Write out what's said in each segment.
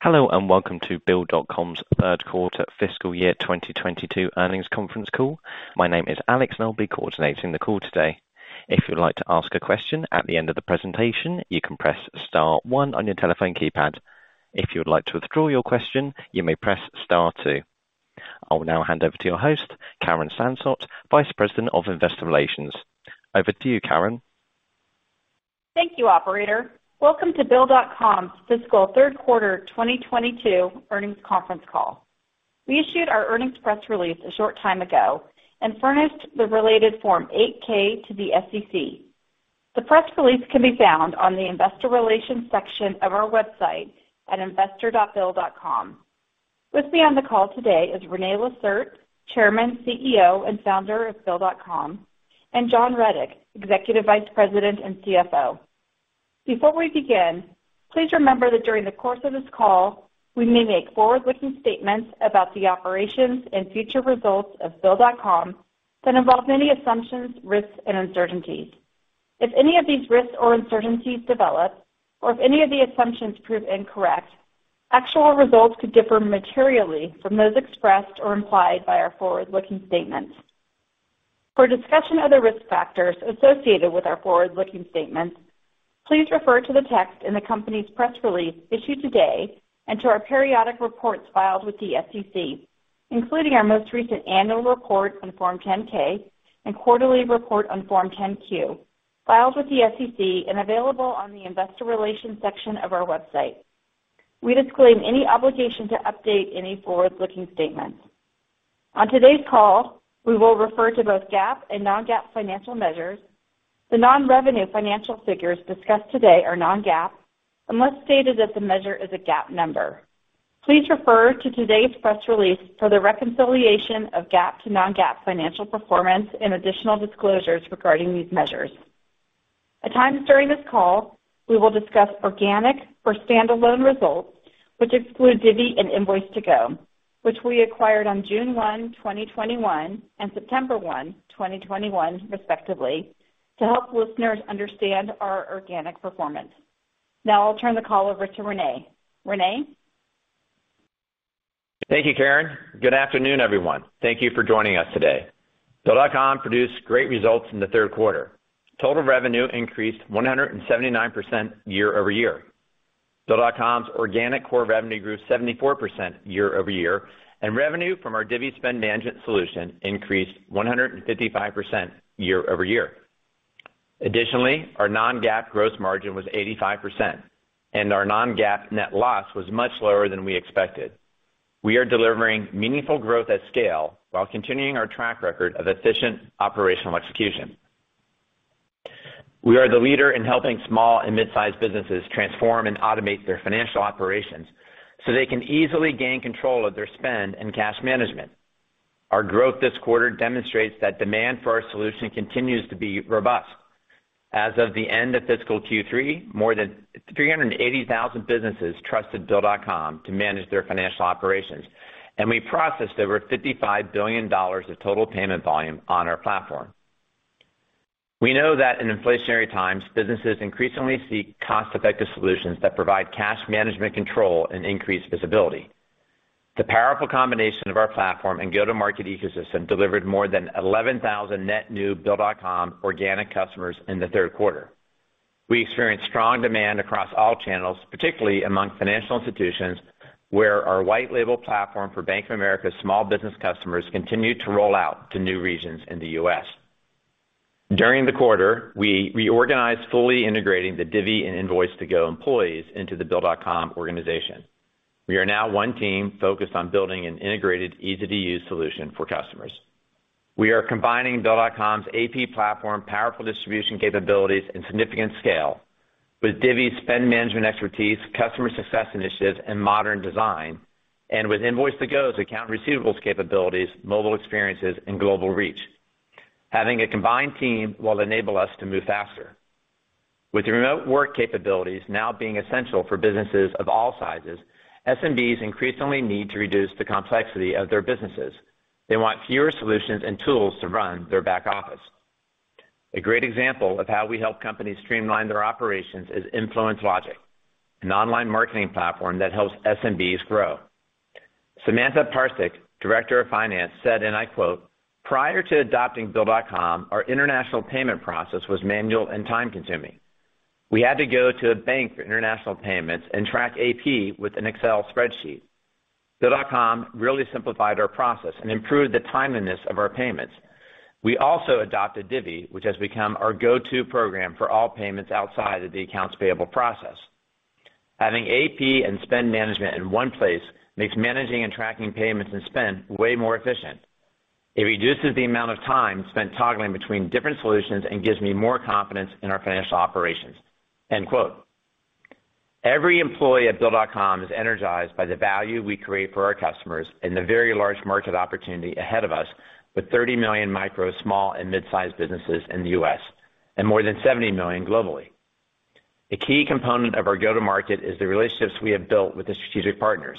Hello, and welcome to Bill.com's third quarter fiscal year 2022 earnings conference call. My name is Alex, and I'll be coordinating the call today. If you'd like to ask a question at the end of the presentation, you can press star one on your telephone keypad. If you would like to withdraw your question, you may press star two. I will now hand over to your host, Karen Sansot, Vice President of Investor Relations. Over to you, Karen. Thank you, operator. Welcome to Bill.com's fiscal third quarter 2022 earnings conference call. We issued our earnings press release a short time ago and furnished the related Form 8-K to the SEC. The press release can be found on the investor relations section of our website at investor.bill.com. With me on the call today is René Lacerte, Chairman, CEO, and founder of Bill.com, and John Rettig, Executive Vice President and CFO. Before we begin, please remember that during the course of this call, we may make forward-looking statements about the operations and future results of Bill.com that involve many assumptions, risks, and uncertainties. If any of these risks or uncertainties develop, or if any of the assumptions prove incorrect, actual results could differ materially from those expressed or implied by our forward-looking statements. For a discussion of the risk factors associated with our forward-looking statements, please refer to the text in the company's press release issued today and to our periodic reports filed with the SEC, including our most recent annual report on Form 10-K and quarterly report on Form 10-Q, filed with the SEC and available on the investor relations section of our website. We disclaim any obligation to update any forward-looking statements. On today's call, we will refer to both GAAP and non-GAAP financial measures. The non-revenue financial figures discussed today are non-GAAP, unless stated that the measure is a GAAP number. Please refer to today's press release for the reconciliation of GAAP to non-GAAP financial performance and additional disclosures regarding these measures. At times during this call, we will discuss organic or standalone results, which exclude Divvy and Invoice2go, which we acquired on June 1, 2021 and September 1, 2021, respectively, to help listeners understand our organic performance. Now I'll turn the call over to René. René? Thank you, Karen. Good afternoon, everyone. Thank you for joining us today. Bill.com produced great results in the third quarter. Total revenue increased 179% year-over-year. Bill.com's organic core revenue grew 74% year-over-year, and revenue from our Divvy spend management solution increased 155% year-over-year. Additionally, our non-GAAP gross margin was 85%, and our non-GAAP net loss was much lower than we expected. We are delivering meaningful growth at scale while continuing our track record of efficient operational execution. We are the leader in helping small and mid-sized businesses transform and automate their financial operations so they can easily gain control of their spend and cash management. Our growth this quarter demonstrates that demand for our solution continues to be robust. As of the end of fiscal Q3, more than 380,000 businesses trusted Bill.com to manage their financial operations, and we processed over $55 billion of total payment volume on our platform. We know that in inflationary times, businesses increasingly seek cost-effective solutions that provide cash management control and increased visibility. The powerful combination of our platform and go-to-market ecosystem delivered more than 11,000 net new Bill.com organic customers in the third quarter. We experienced strong demand across all channels, particularly among financial institutions, where our white label platform for Bank of America's small business customers continued to roll out to new regions in the U.S. During the quarter, we reorganized, fully integrating the Divvy and Invoice2go employees into the Bill.com organization. We are now one team focused on building an integrated, easy-to-use solution for customers. We are combining Bill.com's AP platform, powerful distribution capabilities, and significant scale with Divvy's spend management expertise, customer success initiatives, and modern design, and with Invoice2go's accounts receivable capabilities, mobile experiences, and global reach. Having a combined team will enable us to move faster. With remote work capabilities now being essential for businesses of all sizes, SMBs increasingly need to reduce the complexity of their businesses. They want fewer solutions and tools to run their back office. A great example of how we help companies streamline their operations is InfluenceLogic, an online marketing platform that helps SMBs grow. Samantha Parsik, Director of Finance, said, and I quote, "Prior to adopting Bill.com, our international payment process was manual and time-consuming. We had to go to a bank for international payments and track AP with an Excel spreadsheet. Bill.com really simplified our process and improved the timeliness of our payments. We also adopted Divvy, which has become our go-to program for all payments outside of the accounts payable process. Having AP and spend management in one place makes managing and tracking payments and spend way more efficient. It reduces the amount of time spent toggling between different solutions and gives me more confidence in our financial operations." End quote. Every employee at Bill.com is energized by the value we create for our customers and the very large market opportunity ahead of us, with 30 million micro, small, and mid-sized businesses in the U.S., and more than 70 million globally. A key component of our go-to-market is the relationships we have built with the strategic partners.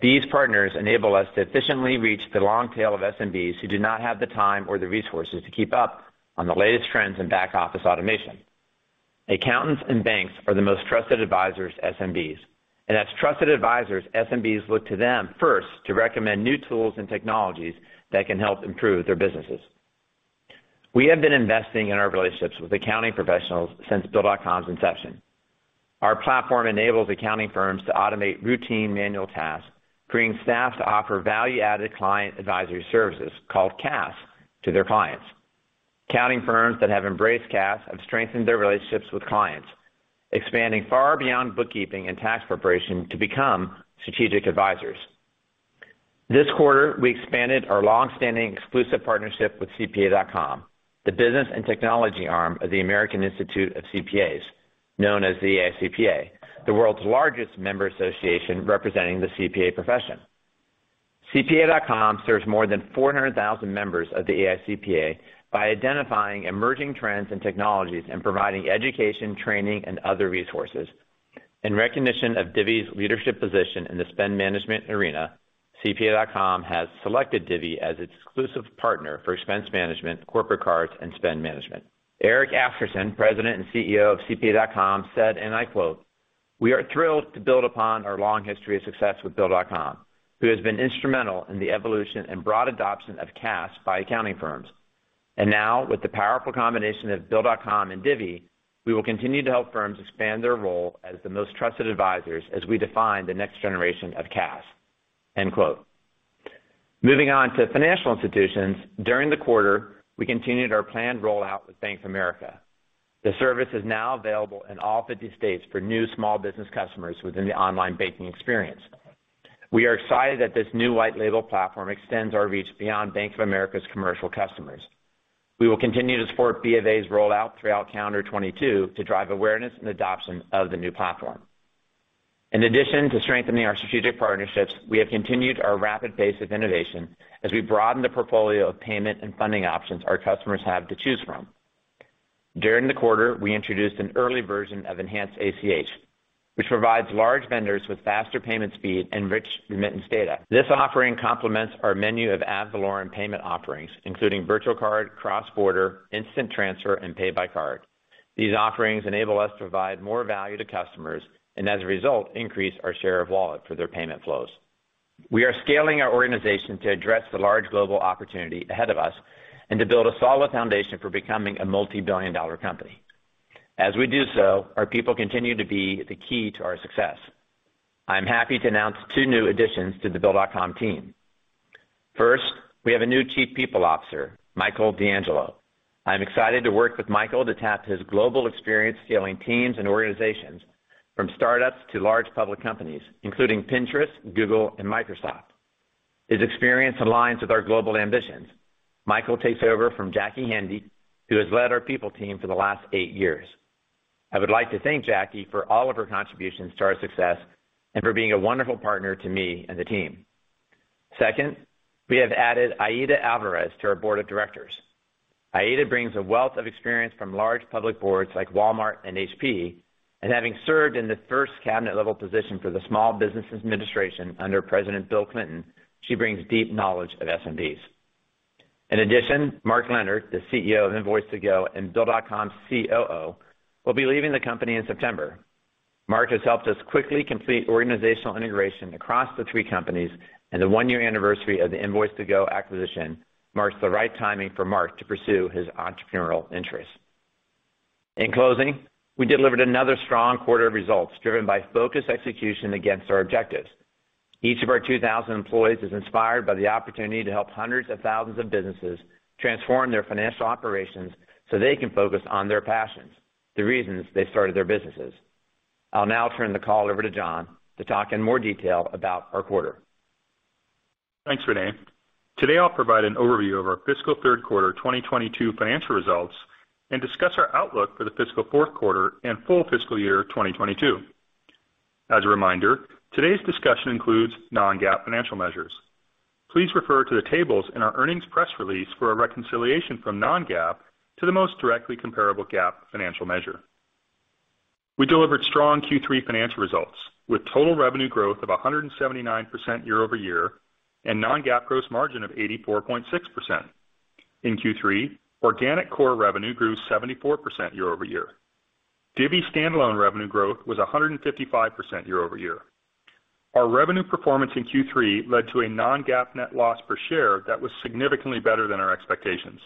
These partners enable us to efficiently reach the long tail of SMBs who do not have the time or the resources to keep up on the latest trends in back-office automation. Accountants and banks are the most trusted advisors to SMBs, and as trusted advisors, SMBs look to them first to recommend new tools and technologies that can help improve their businesses. We have been investing in our relationships with accounting professionals since Bill.com's inception. Our platform enables accounting firms to automate routine manual tasks, freeing staff to offer value-added client advisory services, called CAS, to their clients. Accounting firms that have embraced CAS have strengthened their relationships with clients, expanding far beyond bookkeeping and tax preparation to become strategic advisors. This quarter, we expanded our long-standing exclusive partnership with CPA.com, the business and technology arm of the American Institute of CPAs, known as the AICPA, the world's largest member association representing the CPA profession. CPA.com serves more than 400,000 members of the AICPA by identifying emerging trends and technologies and providing education, training, and other resources. In recognition of Divvy's leadership position in the spend management arena, CPA.com has selected Divvy as its exclusive partner for expense management, corporate cards, and spend management. Erik Asgeirsson, President and CEO of CPA.com, said, and I quote, "We are thrilled to build upon our long history of success with Bill.com, who has been instrumental in the evolution and broad adoption of CAS by accounting firms. Now, with the powerful combination of Bill.com and Divvy, we will continue to help firms expand their role as the most trusted advisors as we define the next generation of CAS." Moving on to financial institutions. During the quarter, we continued our planned rollout with Bank of America. The service is now available in all 50 states for new small business customers within the online banking experience. We are excited that this new white label platform extends our reach beyond Bank of America's commercial customers. We will continue to support BofA's rollout throughout calendar 2022 to drive awareness and adoption of the new platform. In addition to strengthening our strategic partnerships, we have continued our rapid pace of innovation as we broaden the portfolio of payment and funding options our customers have to choose from. During the quarter, we introduced an early version of enhanced ACH, which provides large vendors with faster payment speed and rich remittance data. This offering complements our menu of ad valorem payment offerings, including virtual card, cross-border, Instant Transfer, and Pay By Card. These offerings enable us to provide more value to customers, and as a result, increase our share of wallet for their payment flows. We are scaling our organization to address the large global opportunity ahead of us and to build a solid foundation for becoming a multibillion-dollar company. As we do so, our people continue to be the key to our success. I am happy to announce two new additions to the Bill.com team. First, we have a new Chief People Officer, Michael DeAngelo. I am excited to work with Michael to tap his global experience scaling teams and organizations from startups to large public companies, including Pinterest, Google, and Microsoft. His experience aligns with our global ambitions. Michael takes over from Jackie Hendy, who has led our people team for the last eight years. I would like to thank Jackie for all of her contributions to our success and for being a wonderful partner to me and the team. Second, we have added Aida Álvarez to our board of directors. Aida brings a wealth of experience from large public boards like Walmart and HP, and having served in the first cabinet-level position for the Small Business Administration under President Bill Clinton, she brings deep knowledge of SMBs. In addition, Mark Lenhard, the CEO of Invoice2go and Bill.com's COO, will be leaving the company in September. Mark has helped us quickly complete organizational integration across the three companies, and the one-year anniversary of the Invoice2go acquisition marks the right timing for Mark to pursue his entrepreneurial interests. In closing, we delivered another strong quarter of results driven by focused execution against our objectives. Each of our 2,000 employees is inspired by the opportunity to help hundreds of thousands of businesses transform their financial operations so they can focus on their passions, the reasons they started their businesses. I'll now turn the call over to John to talk in more detail about our quarter. Thanks, René. Today, I'll provide an overview of our fiscal third quarter 2022 financial results and discuss our outlook for the fiscal fourth quarter and full fiscal year 2022. As a reminder, today's discussion includes non-GAAP financial measures. Please refer to the tables in our earnings press release for a reconciliation from non-GAAP to the most directly comparable GAAP financial measure. We delivered strong Q3 financial results, with total revenue growth of 179% year-over-year and non-GAAP gross margin of 84.6%. In Q3, organic core revenue grew 74% year-over-year. Divvy standalone revenue growth was 155% year-over-year. Our revenue performance in Q3 led to a non-GAAP net loss per share that was significantly better than our expectations.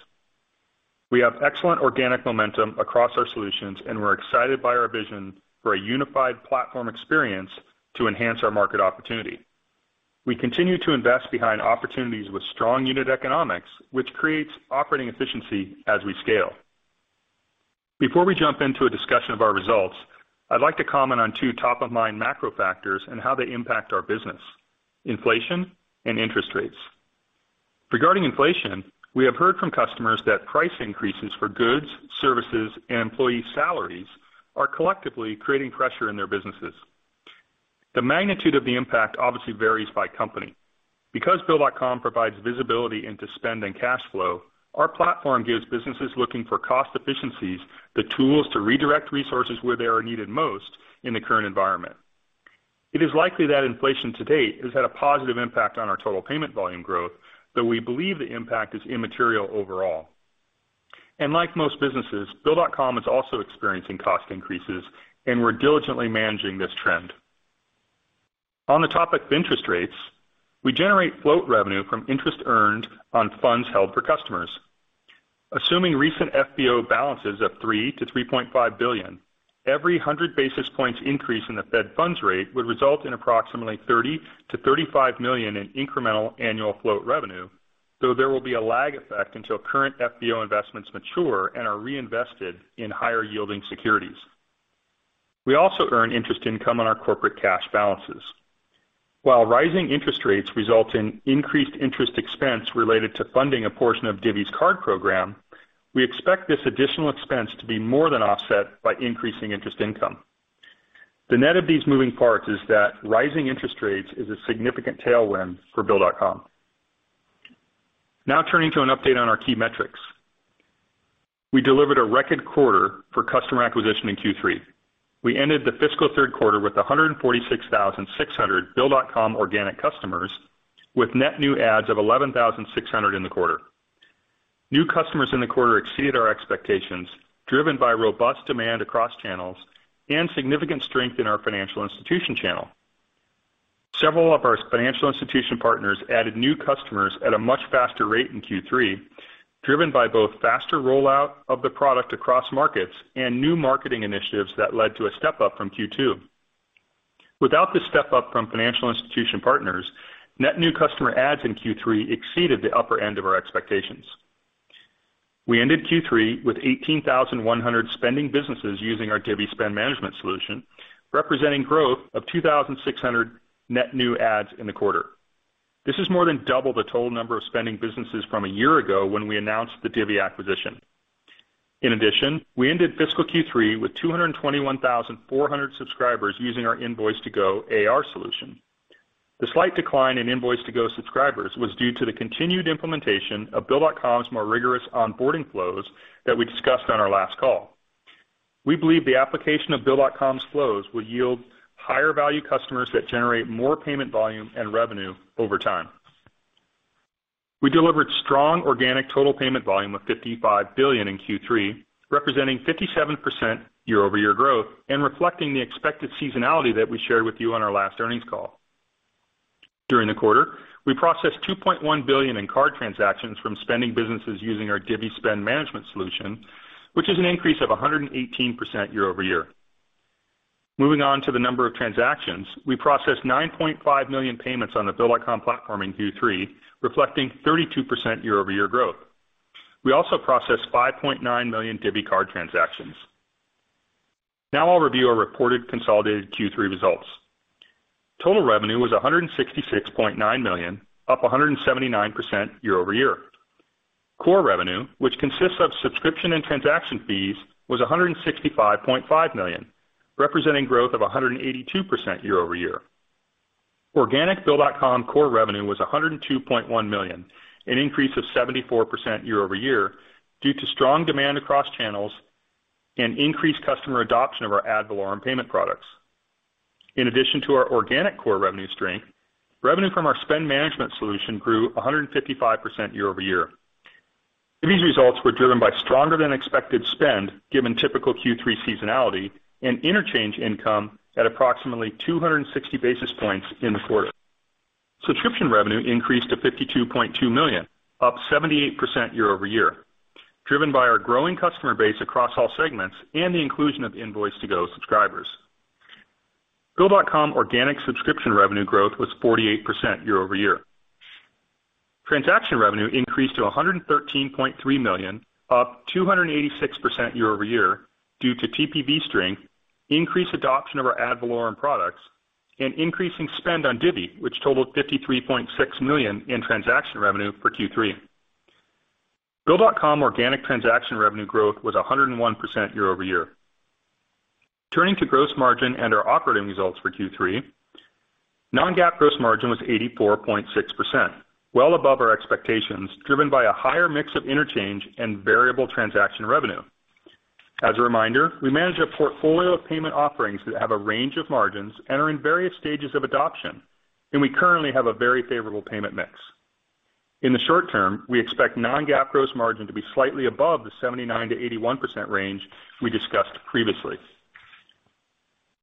We have excellent organic momentum across our solutions, and we're excited by our vision for a unified platform experience to enhance our market opportunity. We continue to invest behind opportunities with strong unit economics, which creates operating efficiency as we scale. Before we jump into a discussion of our results, I'd like to comment on two top-of-mind macro factors and how they impact our business, inflation and interest rates. Regarding inflation, we have heard from customers that price increases for goods, services, and employee salaries are collectively creating pressure in their businesses. The magnitude of the impact obviously varies by company. Because Bill.com provides visibility into spend and cash flow, our platform gives businesses looking for cost efficiencies the tools to redirect resources where they are needed most in the current environment. It is likely that inflation to date has had a positive impact on our total payment volume growth, though we believe the impact is immaterial overall. Like most businesses, BILL.com is also experiencing cost increases, and we're diligently managing this trend. On the topic of interest rates, we generate float revenue from interest earned on funds held for customers. Assuming recent FBO balances of $3 billion-$3.5 billion, every 100 basis points increase in the Fed funds rate would result in approximately $30 million-$35 million in incremental annual float revenue, though there will be a lag effect until current FBO investments mature and are reinvested in higher-yielding securities. We also earn interest income on our corporate cash balances. While rising interest rates result in increased interest expense related to funding a portion of Divvy's card program, we expect this additional expense to be more than offset by increasing interest income. The net of these moving parts is that rising interest rates is a significant tailwind for Bill.com. Now turning to an update on our key metrics. We delivered a record quarter for customer acquisition in Q3. We ended the fiscal third quarter with 146,600 Bill.com organic customers, with net new adds of 11,600 in the quarter. New customers in the quarter exceeded our expectations, driven by robust demand across channels and significant strength in our financial institution channel. Several of our financial institution partners added new customers at a much faster rate in Q3, driven by both faster rollout of the product across markets and new marketing initiatives that led to a step-up from Q2. Without the step-up from financial institution partners, net new customer adds in Q3 exceeded the upper end of our expectations. We ended Q3 with 18,100 spending businesses using our Divvy spend management solution, representing growth of 2,600 net new adds in the quarter. This is more than double the total number of spending businesses from a year ago when we announced the Divvy acquisition. In addition, we ended fiscal Q3 with 221,400 subscribers using our Invoice2go AR solution. The slight decline in Invoice2go subscribers was due to the continued implementation of Bill.com's more rigorous onboarding flows that we discussed on our last call. We believe the application of Bill.com's flows will yield higher value customers that generate more payment volume and revenue over time. We delivered strong organic total payment volume of $55 billion in Q3, representing 57% year-over-year growth and reflecting the expected seasonality that we shared with you on our last earnings call. During the quarter, we processed $2.1 billion in card transactions from spending businesses using our Divvy spend management solution, which is an increase of 118% year-over-year. Moving on to the number of transactions, we processed 9.5 million payments on the Bill.com platform in Q3, reflecting 32% year-over-year growth. We also processed 5.9 million Divvy card transactions. Now I'll review our reported consolidated Q3 results. Total revenue was $166.9 million, up 179% year-over-year. Core revenue, which consists of subscription and transaction fees, was $165.5 million, representing growth of 182% year-over-year. Organic Bill.com core revenue was $102.1 million, an increase of 74% year-over-year, due to strong demand across channels and increased customer adoption of our ad valorem payment products. In addition to our organic core revenue strength, revenue from our spend management solution grew 155% year-over-year. These results were driven by stronger than expected spend given typical Q3 seasonality and interchange income at approximately 260 basis points in the quarter. Subscription revenue increased to $52.2 million, up 78% year-over-year, driven by our growing customer base across all segments and the inclusion of Invoice2go subscribers. Bill.com organic subscription revenue growth was 48% year-over-year. Transaction revenue increased to $113.3 million, up 286% year-over-year due to TPV strength, increased adoption of our ad valorem products, and increasing spend on Divvy, which totaled $53.6 million in transaction revenue for Q3. Bill.com organic transaction revenue growth was 101% year-over-year. Turning to gross margin and our operating results for Q3. Non-GAAP gross margin was 84.6%, well above our expectations, driven by a higher mix of interchange and variable transaction revenue. As a reminder, we manage a portfolio of payment offerings that have a range of margins and are in various stages of adoption, and we currently have a very favorable payment mix. In the short term, we expect non-GAAP gross margin to be slightly above the 79%-81% range we discussed previously.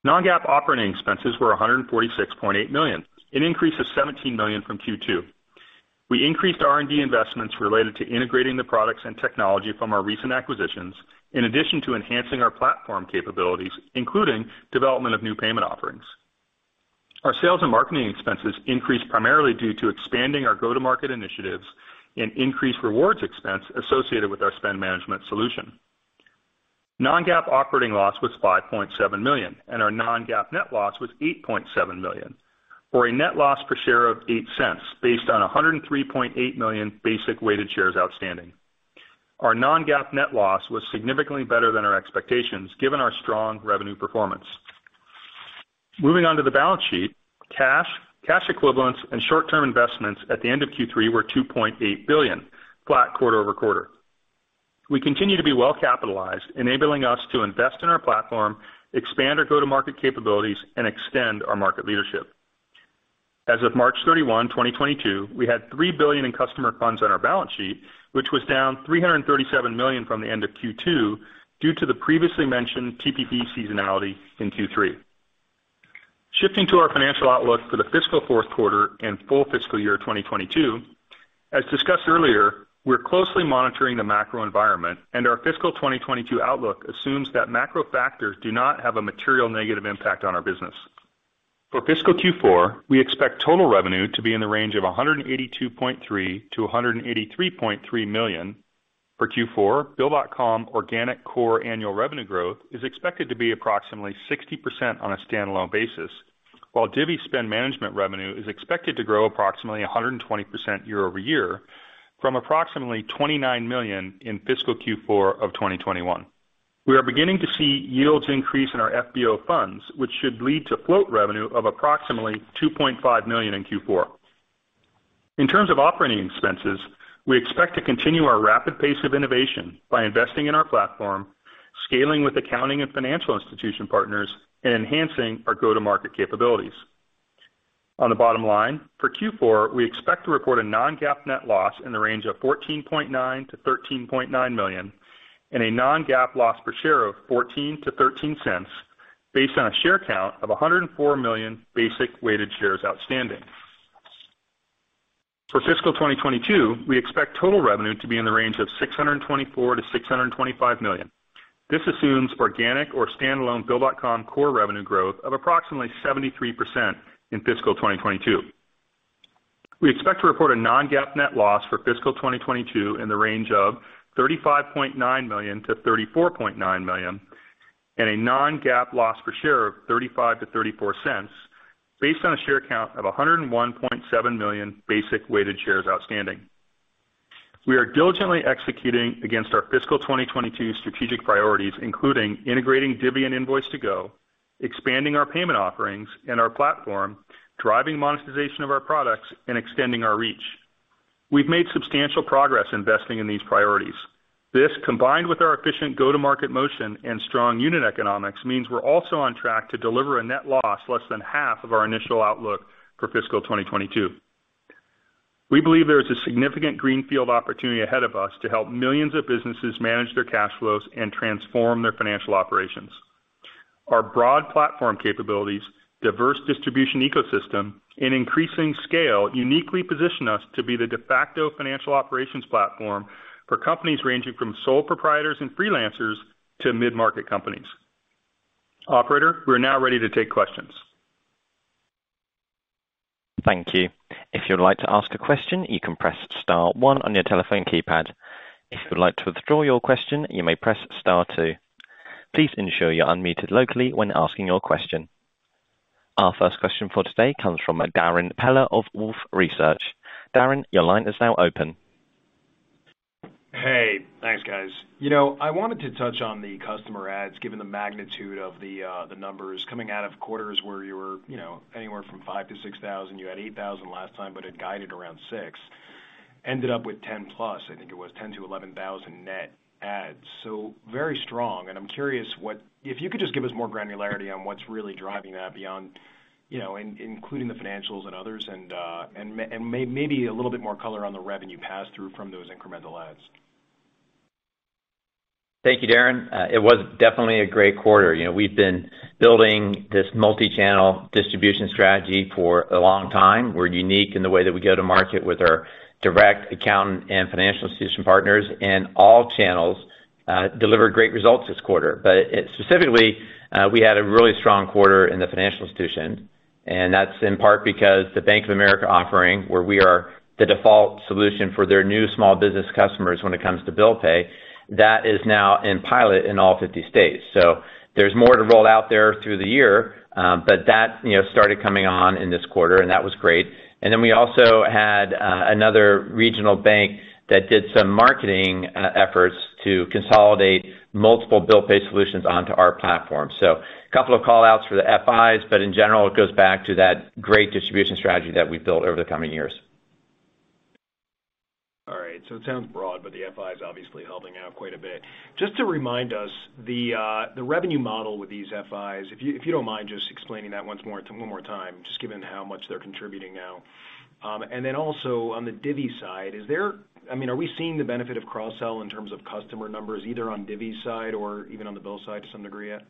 Non-GAAP operating expenses were $146.8 million, an increase of $17 million from Q2. We increased R&D investments related to integrating the products and technology from our recent acquisitions, in addition to enhancing our platform capabilities, including development of new payment offerings. Our sales and marketing expenses increased primarily due to expanding our go-to-market initiatives and increased rewards expense associated with our spend management solution. Non-GAAP operating loss was $5.7 million, and our non-GAAP net loss was $8.7 million, or a net loss per share of $0.08, based on 103.8 million basic weighted shares outstanding. Our non-GAAP net loss was significantly better than our expectations given our strong revenue performance. Moving on to the balance sheet, cash equivalents and short-term investments at the end of Q3 were $2.8 billion, flat quarter-over-quarter. We continue to be well capitalized, enabling us to invest in our platform, expand our go-to-market capabilities, and extend our market leadership. As of March 31, 2022, we had $3 billion in customer funds on our balance sheet, which was down $337 million from the end of Q2 due to the previously mentioned TPP seasonality in Q3. Shifting to our financial outlook for the fiscal fourth quarter and full fiscal year 2022. As discussed earlier, we're closely monitoring the macro environment and our fiscal 2022 outlook assumes that macro factors do not have a material negative impact on our business. For fiscal Q4, we expect total revenue to be in the range of $182.3 million-$183.3 million for Q4. Bill.com organic core annual revenue growth is expected to be approximately 60% on a standalone basis, while Divvy spend management revenue is expected to grow approximately 120% year-over-year from approximately $29 million in fiscal Q4 of 2021. We are beginning to see yields increase in our FBO funds, which should lead to float revenue of approximately $2.5 million in Q4. In terms of operating expenses, we expect to continue our rapid pace of innovation by investing in our platform, scaling with accounting and financial institution partners, and enhancing our go-to-market capabilities. On the bottom line, for Q4, we expect to report a non-GAAP net loss in the range of $14.9 million-$13.9 million, and a non-GAAP loss per share of $0.14-$0.13 based on a share count of 104 million basic weighted shares outstanding. For fiscal 2022, we expect total revenue to be in the range of $624 million-$625 million. This assumes organic or standalone Bill.com core revenue growth of approximately 73% in fiscal 2022. We expect to report a non-GAAP net loss for fiscal 2022 in the range of $35.9 million-$34.9 million, and a non-GAAP loss per share of $0.35-$0.34 based on a share count of 101.7 million basic weighted shares outstanding. We are diligently executing against our fiscal 2022 strategic priorities, including integrating Divvy and Invoice2go, expanding our payment offerings and our platform, driving monetization of our products, and extending our reach. We've made substantial progress investing in these priorities. This, combined with our efficient go-to-market motion and strong unit economics, means we're also on track to deliver a net loss less than half of our initial outlook for fiscal 2022. We believe there is a significant greenfield opportunity ahead of us to help millions of businesses manage their cash flows and transform their financial operations. Our broad platform capabilities, diverse distribution ecosystem, and increasing scale uniquely position us to be the de facto financial operations platform for companies ranging from sole proprietors and freelancers to mid-market companies. Operator, we are now ready to take questions. Thank you. If you'd like to ask a question, you can press star one on your telephone keypad. If you'd like to withdraw your question, you may press star two. Please ensure you're unmuted locally when asking your question. Our first question for today comes from Darrin Peller of Wolfe Research. Darrin, your line is now open. Hey, thanks, guys. You know, I wanted to touch on the customer adds, given the magnitude of the numbers coming out of quarters where you were, you know, anywhere from 5,000 to 6,000. You had 8,000 last time, but had guided around 6,000, ended up with 10,000+, I think it was 10,000 to 11,000 net adds. So very strong. I'm curious what, if you could just give us more granularity on what's really driving that beyond, you know, including the financials and others and maybe a little bit more color on the revenue pass through from those incremental adds. Thank you, Darrin. It was definitely a great quarter. You know, we've been building this multi-channel distribution strategy for a long time. We're unique in the way that we go to market with our direct accountant and financial institution partners, and all channels delivered great results this quarter. Specifically, we had a really strong quarter in the financial institution, and that's in part because the Bank of America offering, where we are the default solution for their new small business customers when it comes to bill pay, that is now in pilot in all 50 states. There's more to roll out there through the year. That, you know, started coming on in this quarter, and that was great. We also had another regional bank that did some marketing efforts to consolidate multiple bill pay solutions onto our platform. A couple of call outs for the FIs, but in general, it goes back to that great distribution strategy that we've built over the coming years. It sounds broad, but the FI is obviously helping out quite a bit. Just to remind us, the revenue model with these FIs, if you don't mind just explaining that one more time, just given how much they're contributing now. Also on the Divvy side, I mean, are we seeing the benefit of cross-sell in terms of customer numbers, either on Divvy's side or even on the BILL side to some degree yet?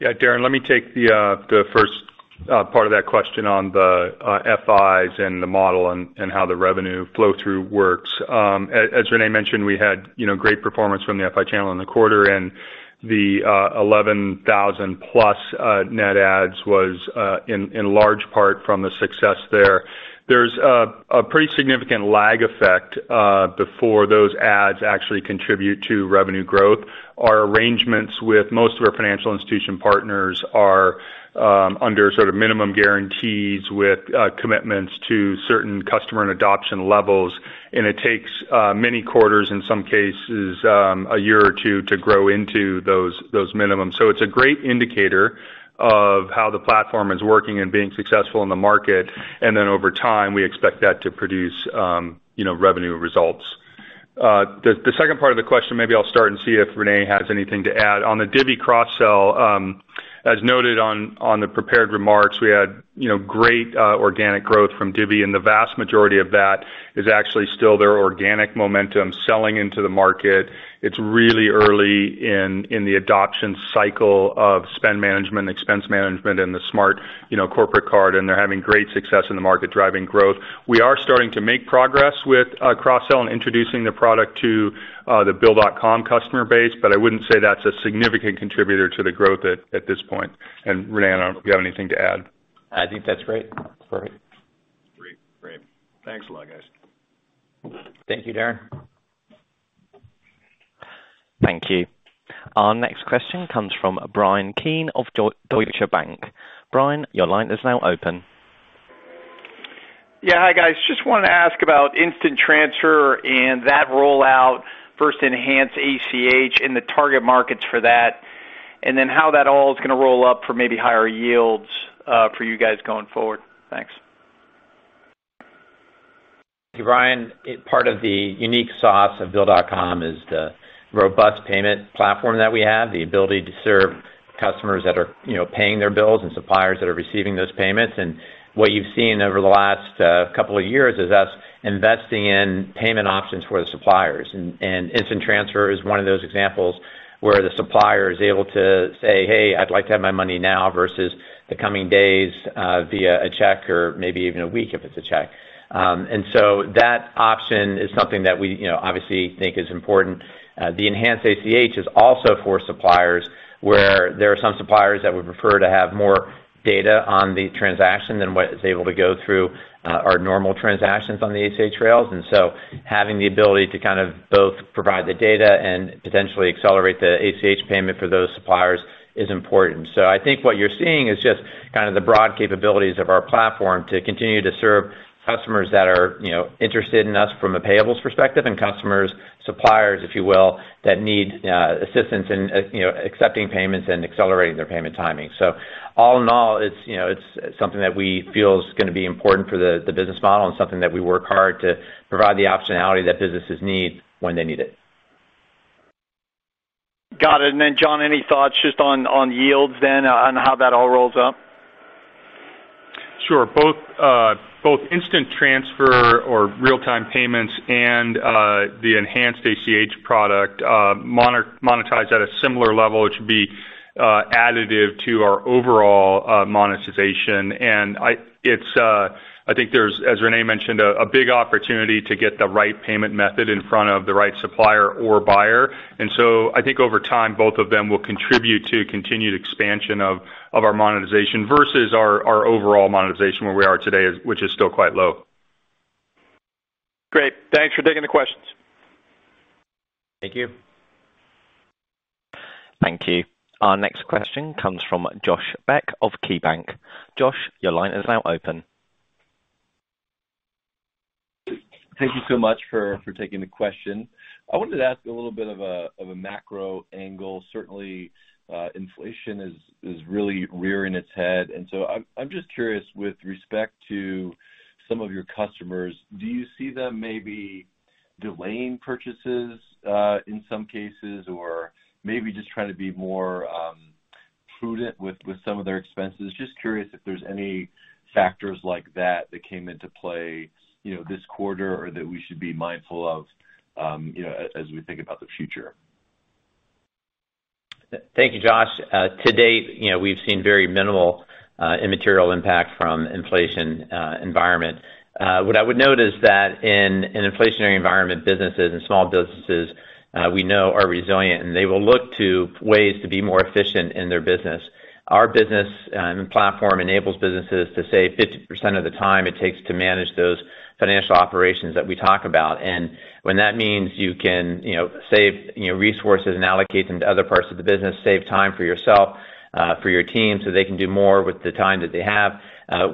Yeah, Darrin, let me take the first part of that question on the FIs and the model and how the revenue flow through works. As René mentioned, we had, you know, great performance from the FI channel in the quarter and the 11,000+ net adds was in large part from the success there. There's a pretty significant lag effect before those adds actually contribute to revenue growth. Our arrangements with most of our financial institution partners are under sort of minimum guarantees with commitments to certain customer and adoption levels. It takes many quarters, in some cases, a year or two to grow into those minimums. It's a great indicator of how the platform is working and being successful in the market. Over time, we expect that to produce, you know, revenue results. The second part of the question, maybe I'll start and see if René has anything to add. On the Divvy cross-sell, as noted on the prepared remarks, we had, you know, great organic growth from Divvy, and the vast majority of that is actually still their organic momentum selling into the market. It's really early in the adoption cycle of spend management, expense management, and the smart, you know, corporate card, and they're having great success in the market driving growth. We are starting to make progress with cross-sell and introducing the product to the Bill.com customer base, but I wouldn't say that's a significant contributor to the growth at this point. René, I don't know if you have anything to add. I think that's great. Perfect. Great. Thanks a lot, guys. Thank you, Darrin. Thank you. Our next question comes from Bryan Keane of Deutsche Bank. Brian, your line is now open. Yeah. Hi, guys. Just wanted to ask about Instant Transfer and that rollout, first enhanced ACH and the target markets for that, and then how that all is gonna roll up for maybe higher yields, for you guys going forward. Thanks. Thank you, Brian. Part of the unique sauce of Bill.com is the robust payment platform that we have, the ability to serve customers that are, you know, paying their bills and suppliers that are receiving those payments. What you've seen over the last couple of years is us investing in payment options for the suppliers. Instant Transfer is one of those examples where the supplier is able to say, "Hey, I'd like to have my money now versus the coming days via a check or maybe even a week if it's a check." That option is something that we, you know, obviously think is important. The enhanced ACH is also for suppliers, where there are some suppliers that would prefer to have more data on the transaction than what is able to go through our normal transactions on the ACH rails. Having the ability to kind of both provide the data and potentially accelerate the ACH payment for those suppliers is important. I think what you're seeing is just kind of the broad capabilities of our platform to continue to serve customers that are, you know, interested in us from a payables perspective and customers, suppliers, if you will, that need assistance in you know, accepting payments and accelerating their payment timing. All in all, it's, you know, it's something that we feel is gonna be important for the business model and something that we work hard to provide the optionality that businesses need when they need it. Got it. John, any thoughts just on yields then on how that all rolls up? Sure. Both Instant Transfer or real-time payments and the enhanced ACH product monetize at a similar level. It should be additive to our overall monetization. It's, I think there's, as René mentioned, a big opportunity to get the right payment method in front of the right supplier or buyer. I think over time, both of them will contribute to continued expansion of our monetization versus our overall monetization where we are today, which is still quite low. Great. Thanks for taking the questions. Thank you. Thank you. Our next question comes from Josh Beck of KeyBanc. Josh, your line is now open. Thank you so much for taking the question. I wanted to ask a little bit of a macro angle. Certainly, inflation is really rearing its head. I'm just curious with respect to some of your customers, do you see them maybe delaying purchases, in some cases, or maybe just trying to be more prudent with some of their expenses? Just curious if there's any factors like that that came into play, you know, this quarter or that we should be mindful of, you know, as we think about the future. Thank you, Josh. To date, you know, we've seen very minimal, immaterial impact from the inflationary environment. What I would note is that in an inflationary environment, businesses and small businesses, we know, are resilient, and they will look to ways to be more efficient in their business. Our business and platform enables businesses to save 50% of the time it takes to manage those financial operations that we talk about. When that means you can, you know, save, you know, resources and allocate them to other parts of the business, save time for yourself, for your team, so they can do more with the time that they have.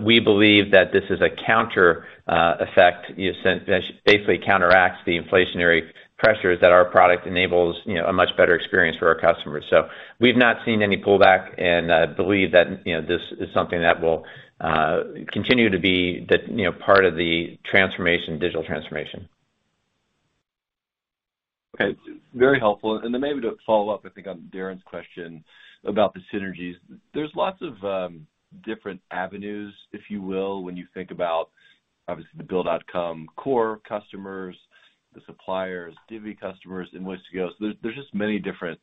We believe that this is a counter effect, you know, so that basically counteracts the inflationary pressures that our product enables, you know, a much better experience for our customers. We've not seen any pullback and believe that, you know, this is something that will continue to be the, you know, part of the transformation, digital transformation. Okay. Very helpful. Maybe to follow up, I think on Darrin's question about the synergies. There's lots of different avenues, if you will, when you think about, obviously, the Bill.com core customers, the suppliers, Divvy customers, Invoice2go. There's just many different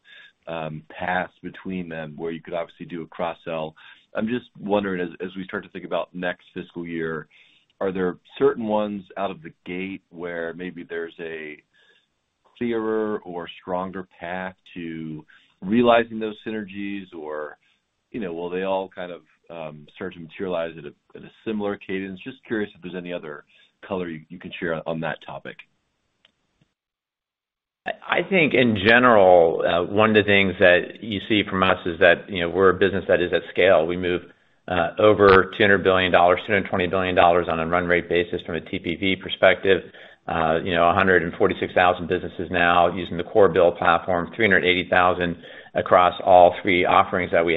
paths between them where you could obviously do a cross-sell. I'm just wondering as we start to think about next fiscal year, are there certain ones out of the gate where maybe there's a clearer or stronger path to realizing those synergies or, you know, will they all kind of start to materialize at a similar cadence? Just curious if there's any other color you can share on that topic. I think in general, one of the things that you see from us is that, you know, we're a business that is at scale. We move over $200 billion, $220 billion on a run rate basis from a TPV perspective. You know, 146,000 businesses now using the core BILL platform, 380,000 across all three offerings that we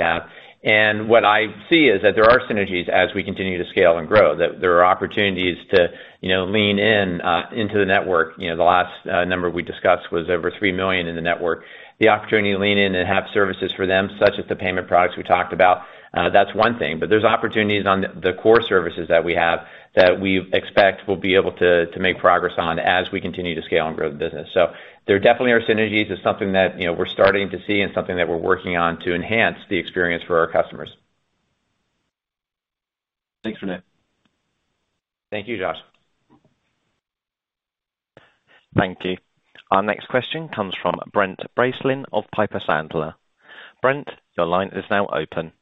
have. What I see is that there are synergies as we continue to scale and grow, that there are opportunities to, you know, lean in into the network. You know, the last number we discussed was over three million in the network. The opportunity to lean in and have services for them, such as the payment products we talked about, that's one thing. There's opportunities on the core services that we have that we expect we'll be able to make progress on as we continue to scale and grow the business. There definitely are synergies. It's something that, you know, we're starting to see and something that we're working on to enhance the experience for our customers. Thanks, René. Thank you, Josh. Thank you. Our next question comes from Brent Bracelin of Piper Sandler. Brent, your line is now open.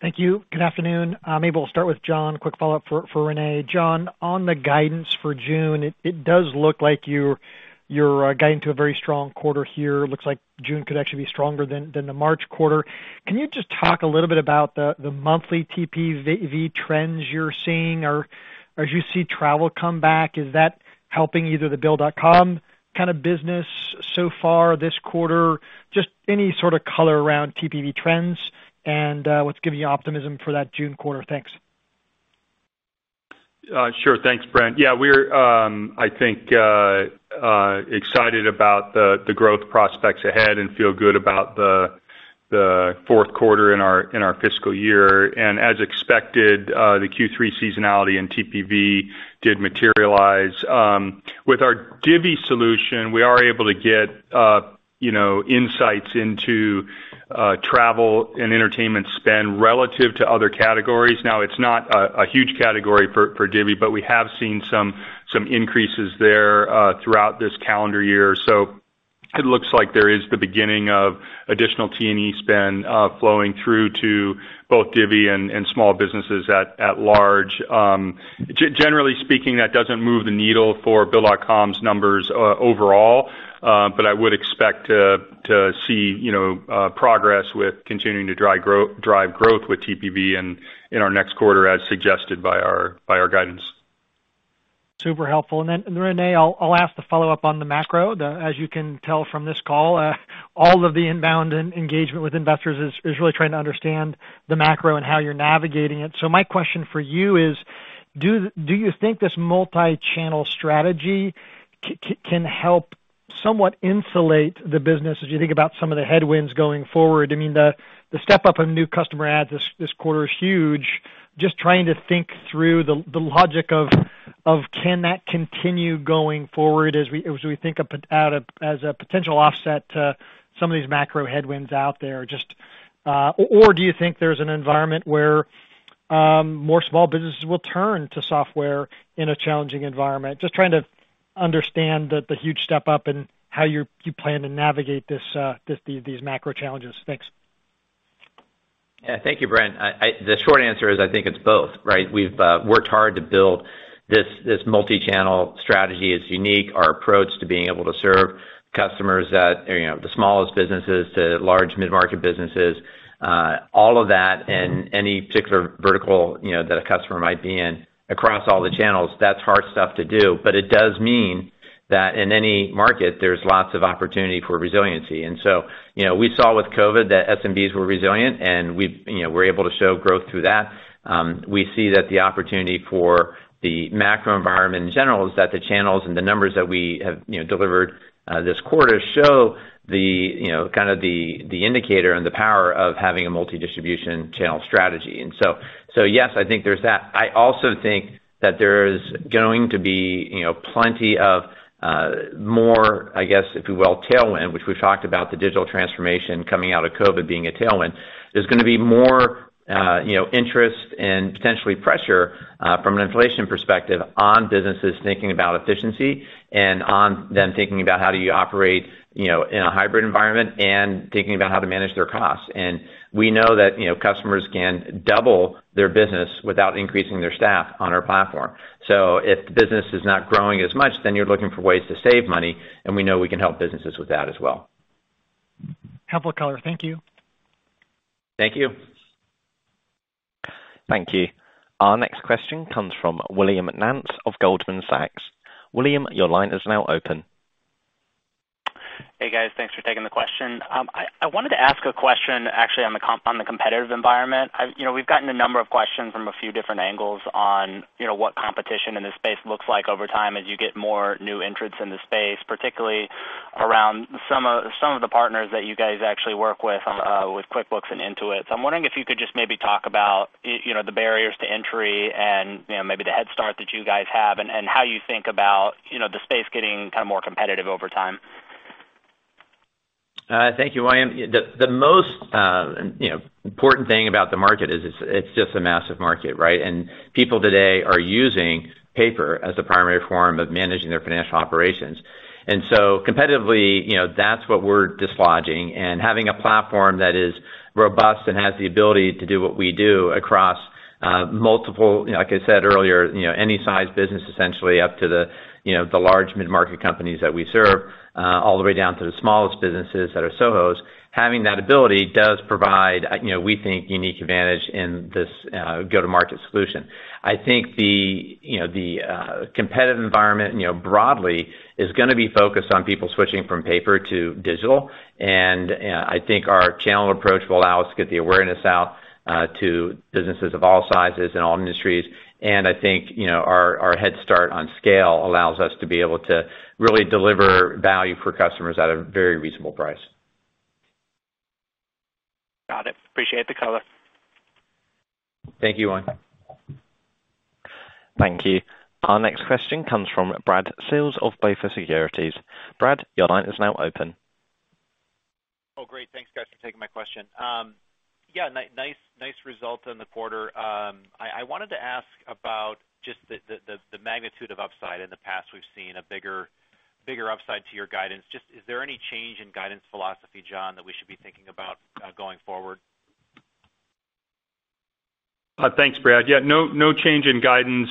Thank you. Good afternoon. Maybe we'll start with John. Quick follow-up for René. John, on the guidance for June, it does look like you're guiding to a very strong quarter here. Looks like June could actually be stronger than the March quarter. Can you just talk a little bit about the monthly TPV trends you're seeing or as you see travel come back, is that helping either the Bill.com kind of business so far this quarter? Just any sort of color around TPV trends and what's giving you optimism for that June quarter. Thanks. Sure. Thanks, Brent. Yeah, we're, I think, excited about the growth prospects ahead and feel good about the fourth quarter in our fiscal year. As expected, the Q3 seasonality in TPV did materialize. With our Divvy solution, we are able to get, you know, insights into travel and entertainment spend relative to other categories. Now it's not a huge category for Divvy, but we have seen some increases there throughout this calendar year. It looks like there is the beginning of additional T&E spend flowing through to both Divvy and small businesses at large. Generally speaking, that doesn't move the needle for Bill.com's numbers overall, but I would expect to see, you know, progress with continuing to drive growth with TPV in our next quarter as suggested by our guidance. Super helpful. René, I'll ask the follow-up on the macro. As you can tell from this call, all of the inbound engagement with investors is really trying to understand the macro and how you're navigating it. My question for you is do you think this multi-channel strategy can help somewhat insulate the business as you think about some of the headwinds going forward? I mean, the step up in new customer adds this quarter is huge. Just trying to think through the logic of can that continue going forward as we think of as a potential offset to some of these macro headwinds out there? Just or do you think there's an environment where more small businesses will turn to software in a challenging environment? Just trying to understand the huge step up and how you plan to navigate these macro challenges. Thanks. Yeah. Thank you, Brent. The short answer is I think it's both, right? We've worked hard to build this multi-channel strategy. It's unique, our approach to being able to serve customers at, you know, the smallest businesses to large mid-market businesses. All of that and any particular vertical, you know, that a customer might be in across all the channels, that's hard stuff to do, but it does mean that in any market there's lots of opportunity for resiliency. You know, we saw with COVID that SMBs were resilient and we, you know, we're able to show growth through that. We see that the opportunity for the macro environment in general is that the channels and the numbers that we have, you know, delivered this quarter show the, you know, kind of the indicator and the power of having a multi-distribution channel strategy. Yes, I think there's that. I also think that there's going to be, you know, plenty of more, I guess, if you will, tailwind, which we've talked about the digital transformation coming out of COVID being a tailwind. There's gonna be more, you know, interest and potentially pressure from an inflation perspective on businesses thinking about efficiency and on them thinking about how do you operate, you know, in a hybrid environment and thinking about how to manage their costs. We know that, you know, customers can double their business without increasing their staff on our platform. If the business is not growing as much, then you're looking for ways to save money, and we know we can help businesses with that as well. Helpful color. Thank you. Thank you. Thank you. Our next question comes from William Nance of Goldman Sachs. William, your line is now open. Hey, guys. Thanks for taking the question. I wanted to ask a question actually on the competitive environment. You know, we've gotten a number of questions from a few different angles on, you know, what competition in this space looks like over time as you get more new entrants in the space, particularly around some of the partners that you guys actually work with QuickBooks and Intuit. So I'm wondering if you could just maybe talk about, you know, the barriers to entry and, you know, maybe the head start that you guys have and how you think about, you know, the space getting kinda more competitive over time. Thank you, William. The most, you know, important thing about the market is it's just a massive market, right? People today are using paper as the primary form of managing their financial operations. Competitively, you know, that's what we're dislodging. Having a platform that is robust and has the ability to do what we do across multiple, you know, like I said earlier, you know, any size business essentially up to the, you know, the large mid-market companies that we serve, all the way down to the smallest businesses that are SOHOs. Having that ability does provide, you know, we think unique advantage in this, go-to-market solution. I think the, you know, the, competitive environment, you know, broadly is gonna be focused on people switching from paper to digital. I think our channel approach will allow us to get the awareness out to businesses of all sizes and all industries. I think, you know, our head start on scale allows us to be able to really deliver value for customers at a very reasonable price. Got it. Appreciate the color. Thank you, William. Thank you. Our next question comes from Brad Sills of BofA Securities. Brad, your line is now open. Oh, great. Thanks, guys, for taking my question. Nice result on the quarter. I wanted to ask about just the magnitude of upside. In the past, we've seen a bigger upside to your guidance. Just, is there any change in guidance philosophy, John, that we should be thinking about going forward? Thanks, Brad. Yeah, no change in guidance.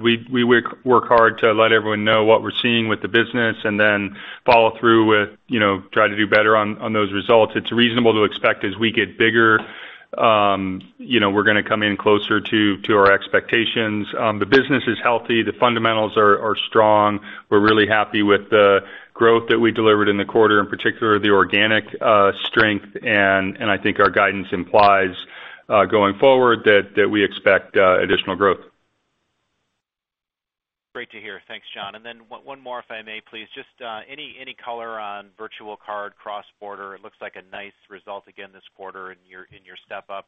We work hard to let everyone know what we're seeing with the business and then follow through with, you know, try to do better on those results. It's reasonable to expect as we get bigger, you know, we're gonna come in closer to our expectations. The business is healthy. The fundamentals are strong. We're really happy with the growth that we delivered in the quarter, in particular the organic strength. I think our guidance implies going forward that we expect additional growth. Great to hear. Thanks, John. One more if I may please. Just any color on virtual card cross-border. It looks like a nice result again this quarter in your step up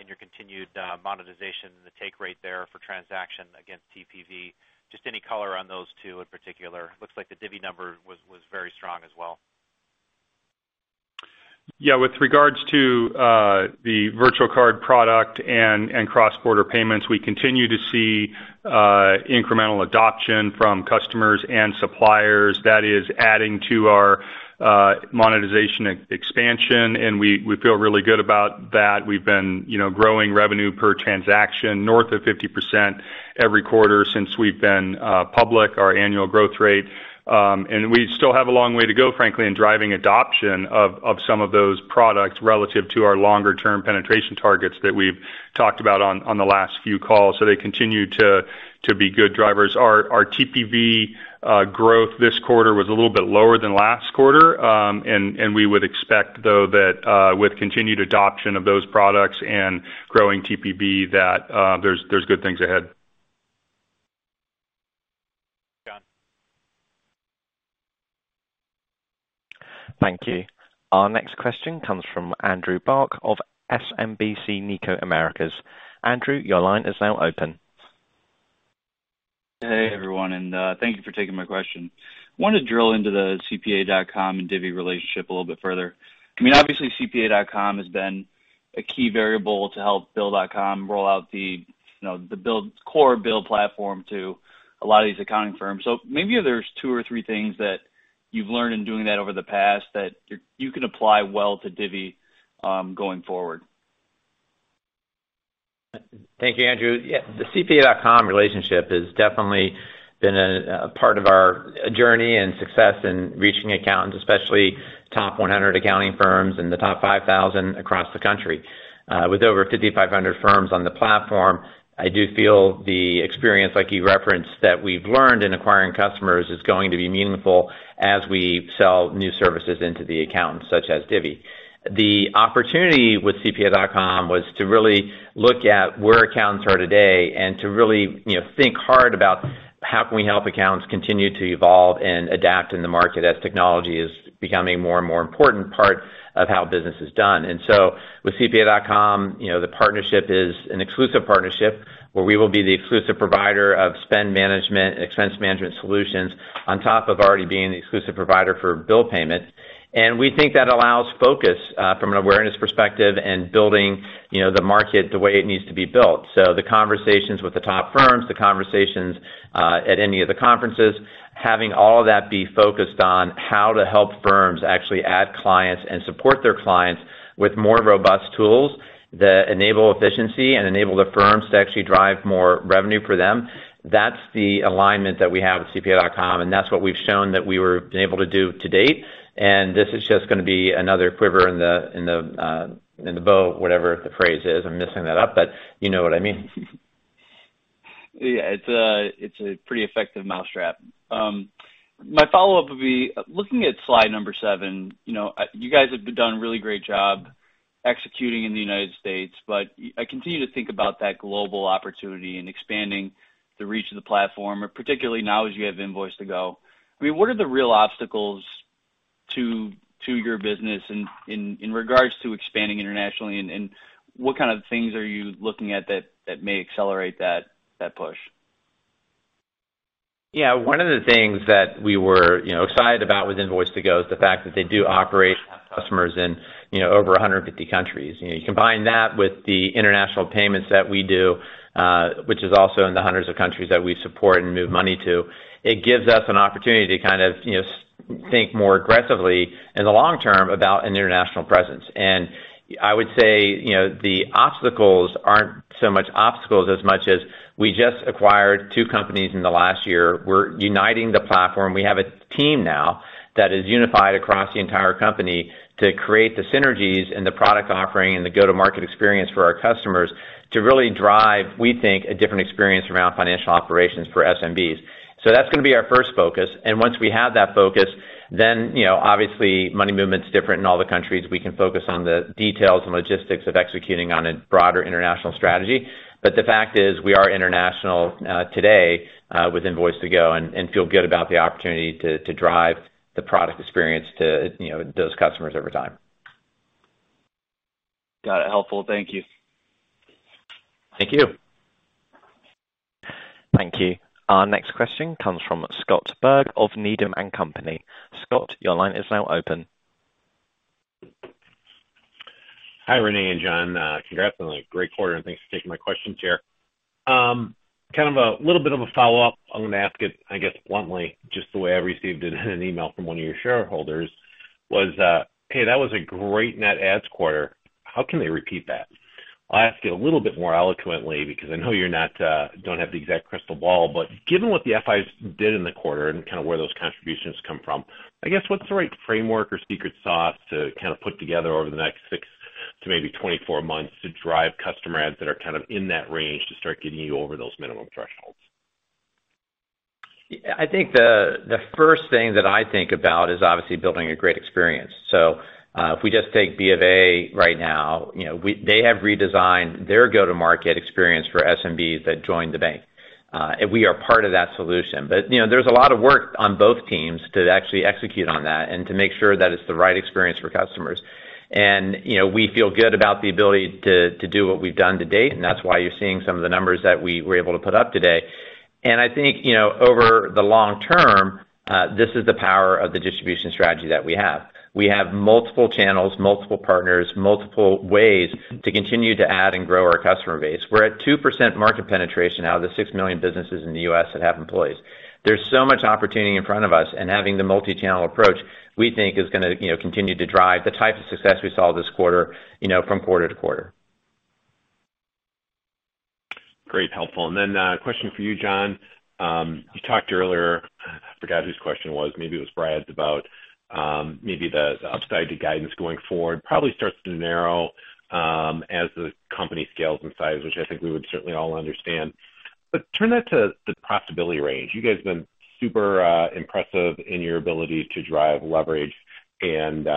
in your continued monetization, the take rate there for transaction against TPV. Just any color on those two in particular. Looks like the Divvy number was very strong as well. Yeah. With regards to the virtual card product and cross-border payments, we continue to see incremental adoption from customers and suppliers that is adding to our monetization expansion, and we feel really good about that. We've been, you know, growing revenue per transaction north of 50% every quarter since we've been public, our annual growth rate. And we still have a long way to go, frankly, in driving adoption of some of those products relative to our longer term penetration targets that we've talked about on the last few calls. They continue to be good drivers. Our TPV growth this quarter was a little bit lower than last quarter. And we would expect though that with continued adoption of those products and growing TPV that there's good things ahead. John. Thank you. Our next question comes from Andrew Bauch of SMBC Nikko America. Andrew, your line is now open. Hey, everyone, and thank you for taking my question. Wanted to drill into the CPA.com and Divvy relationship a little bit further. I mean, obviously CPA.com has been a key variable to help Bill.com roll out the, you know, the core BILL platform to a lot of these accounting firms. Maybe there's two or three things that you've learned in doing that over the past that you can apply well to Divvy, going forward. Thank you, Andrew. Yeah, the CPA.com relationship has definitely been a part of our journey and success in reaching accountants, especially top 100 accounting firms and the top 5,000 across the country. With over 5,500 firms on the platform, I do feel the experience, like you referenced, that we've learned in acquiring customers is going to be meaningful as we sell new services into the accountants, such as Divvy. The opportunity with CPA.com was to really look at where accountants are today and to really, you know, think hard about how can we help accountants continue to evolve and adapt in the market as technology is becoming more and more important part of how business is done. With CPA.com, you know, the partnership is an exclusive partnership where we will be the exclusive provider of spend management, expense management solutions on top of already being the exclusive provider for bill payment. We think that allows focus from an awareness perspective and building, you know, the market the way it needs to be built. The conversations with the top firms at any of the conferences, having all of that be focused on how to help firms actually add clients and support their clients with more robust tools that enable efficiency and enable the firms to actually drive more revenue for them, that's the alignment that we have with CPA.com, and that's what we've shown that we were able to do to date. This is just gonna be another quiver in the bow, whatever the phrase is. I'm mixing that up, but you know what I mean. Yeah. It's a pretty effective mousetrap. My follow-up would be looking at slide number seven, you know, you guys have done a really great job executing in the United States, but I continue to think about that global opportunity and expanding the reach of the platform, or particularly now as you have Invoice2go. I mean, what are the real obstacles to your business in regards to expanding internationally and what kind of things are you looking at that may accelerate that push? One of the things that we were, you know, excited about with Invoice2go is the fact that they do operate customers in, you know, over 150 countries. You combine that with the international payments that we do, which is also in the hundreds of countries that we support and move money to. It gives us an opportunity to kind of, you know, think more aggressively in the long term about an international presence. I would say, you know, the obstacles aren't so much obstacles as much as we just acquired two companies in the last year. We're uniting the platform. We have a team now that is unified across the entire company to create the synergies and the product offering and the go-to-market experience for our customers to really drive, we think, a different experience around financial operations for SMBs. That's gonna be our first focus. Once we have that focus, then, you know, obviously money movement's different in all the countries. We can focus on the details and logistics of executing on a broader international strategy. The fact is, we are international, today, with Invoice2go and feel good about the opportunity to drive the product experience to, you know, those customers over time. Got it. Helpful. Thank you. Thank you. Thank you. Our next question comes from Scott Berg of Needham & Company. Scott, your line is now open. Hi, René and John. Congrats on a great quarter, and thanks for taking my questions here. Kind of a little bit of a follow-up. I'm gonna ask it, I guess bluntly, just the way I received it in an email from one of your shareholders, was, "Hey, that was a great net adds quarter. How can they repeat that?" I'll ask you a little bit more eloquently, because I know you don't have the exact crystal ball. Given what the FIs did in the quarter and kinda where those contributions come from, I guess what's the right framework or secret sauce to kinda put together over the next six to maybe 24 months to drive customer adds that are kind of in that range to start getting you over those minimum thresholds? I think the first thing that I think about is obviously building a great experience. If we just take BofA right now, you know, they have redesigned their go-to-market experience for SMBs that join the bank. We are part of that solution. You know, there's a lot of work on both teams to actually execute on that and to make sure that it's the right experience for customers. You know, we feel good about the ability to do what we've done to date, and that's why you're seeing some of the numbers that we were able to put up today. I think, you know, over the long term, this is the power of the distribution strategy that we have. We have multiple channels, multiple partners, multiple ways to continue to add and grow our customer base. We're at 2% market penetration out of the six million businesses in the U.S. that have employees. There's so much opportunity in front of us, and having the multi-channel approach, we think is gonna, you know, continue to drive the type of success we saw this quarter, you know, from quarter-to-quarter. Great, helpful. Then a question for you, John. You talked earlier. I forgot whose question it was, maybe it was Brad's, about maybe the upside to guidance going forward. Probably starts to narrow as the company scales in size, which I think we would certainly all understand. Turn that to the profitability range. You guys have been super impressive in your ability to drive leverage and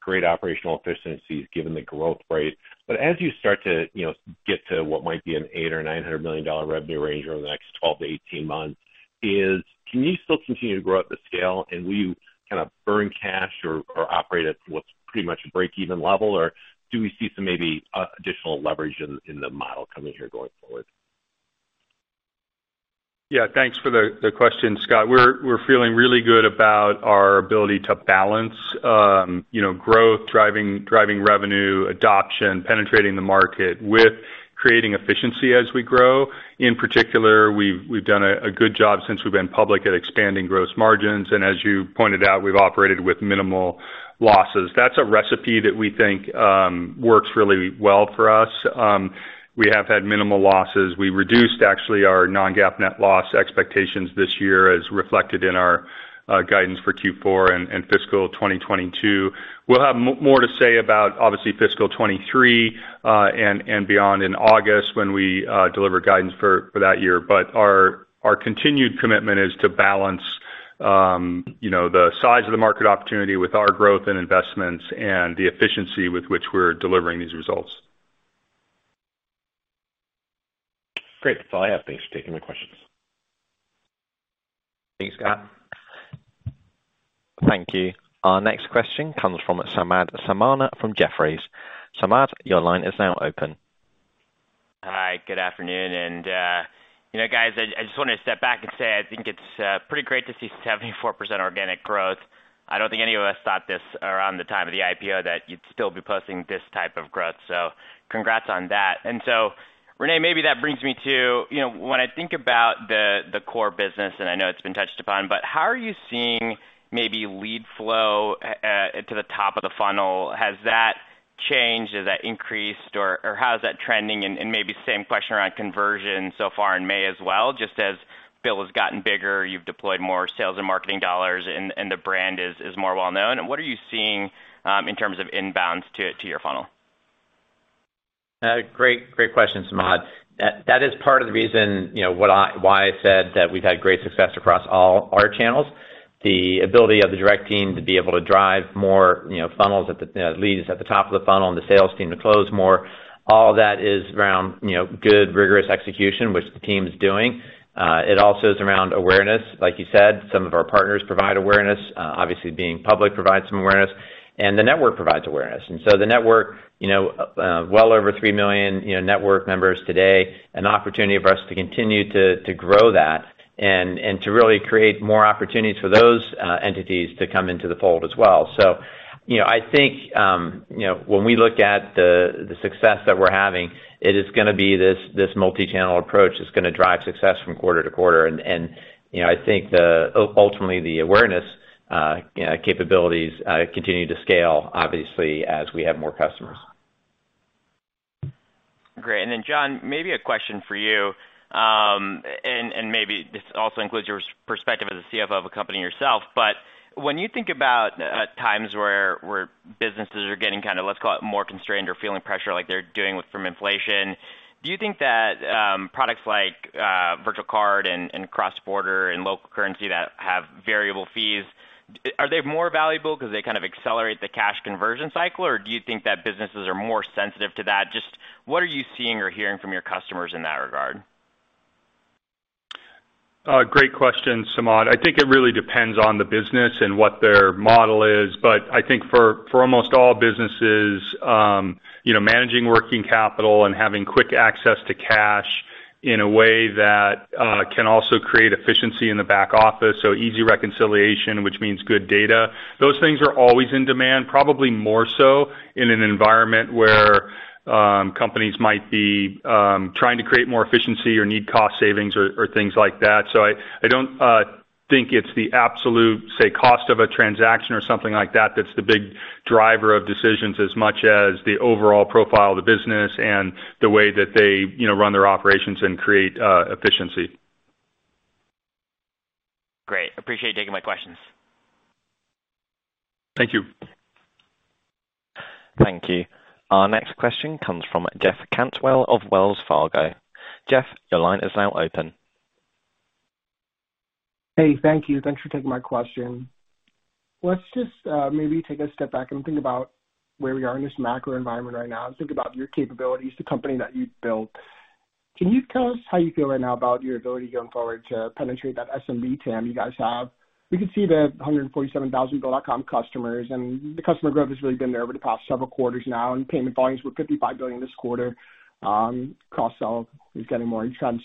create operational efficiencies given the growth rate. As you start to, you know, get to what might be an $800 million-$900 million revenue range over the next 12 to 18 months, can you still continue to grow at the scale and will you kinda burn cash or operate at what's pretty much a break-even level? Do we see some maybe additional leverage in the model coming here going forward? Yeah. Thanks for the question, Scott. We're feeling really good about our ability to balance, you know, growth, driving revenue, adoption, penetrating the market with creating efficiency as we grow. In particular, we've done a good job since we've been public at expanding gross margins. As you pointed out, we've operated with minimal losses. That's a recipe that we think works really well for us. We have had minimal losses. We reduced actually our non-GAAP net loss expectations this year as reflected in our guidance for Q4 and fiscal 2022. We'll have more to say about obviously fiscal 2023 and beyond in August when we deliver guidance for that year. Our continued commitment is to balance, you know, the size of the market opportunity with our growth and investments and the efficiency with which we're delivering these results. Great. That's all I have. Thanks for taking my questions. Thanks, Scott. Thank you. Our next question comes from Samad Samana from Jefferies. Samad, your line is now open. Hi. Good afternoon. You know, guys, I just wanted to step back and say, I think it's pretty great to see 74% organic growth. I don't think any of us thought this around the time of the IPO that you'd still be posting this type of growth. Congrats on that. René, maybe that brings me to, you know, when I think about the core business, and I know it's been touched upon, but how are you seeing maybe lead flow to the top of the funnel? Has that changed? Has that increased? Or how is that trending? And maybe same question around conversion so far in May as well, just as BILL has gotten bigger, you've deployed more sales and marketing dollars and the brand is more well-known. What are you seeing, in terms of inbounds to your funnel? Great question, Samad. That is part of the reason, you know, why I said that we've had great success across all our channels. The ability of the direct team to drive more leads at the top of the funnel and the sales team to close more, all that is around good, rigorous execution, which the team's doing. It also is around awareness. Like you said, some of our partners provide awareness. Obviously being public provides some awareness, and the network provides awareness. The network, you know, well over three million network members today, an opportunity for us to continue to grow that and to really create more opportunities for those entities to come into the fold as well. You know, I think, you know, when we look at the success that we're having, it is gonna be this multi-channel approach that's gonna drive success from quarter to quarter. You know, I think ultimately the awareness, you know, capabilities continue to scale obviously as we have more customers. Great. John, maybe a question for you, and maybe this also includes your perspective as a CFO of a company yourself, but when you think about times where businesses are getting kind of, let's call it more constrained or feeling pressure like they're dealing with from inflation, do you think that products like virtual card and cross border and local currency that have variable fees, are they more valuable because they kind of accelerate the cash conversion cycle, or do you think that businesses are more sensitive to that? Just what are you seeing or hearing from your customers in that regard? Great question, Samad. I think it really depends on the business and what their model is. I think for almost all businesses, you know, managing working capital and having quick access to cash in a way that can also create efficiency in the back office, so easy reconciliation, which means good data, those things are always in demand, probably more so in an environment where companies might be trying to create more efficiency or need cost savings or things like that. I don't think it's the absolute, say, cost of a transaction or something like that that's the big driver of decisions as much as the overall profile of the business and the way that they, you know, run their operations and create efficiency. Great. Appreciate you taking my questions. Thank you. Thank you. Our next question comes from Jeff Cantwell of Wells Fargo. Jeff, your line is now open. Hey, thank you. Thanks for taking my question. Let's just maybe take a step back and think about where we are in this macro environment right now and think about your capabilities, the company that you've built. Can you tell us how you feel right now about your ability going forward to penetrate that SMB TAM you guys have? We can see the 147,000 Bill.com customers, and the customer growth has really been there over the past several quarters now, and payment volumes were $55 billion this quarter. Cross-sell is getting more each time.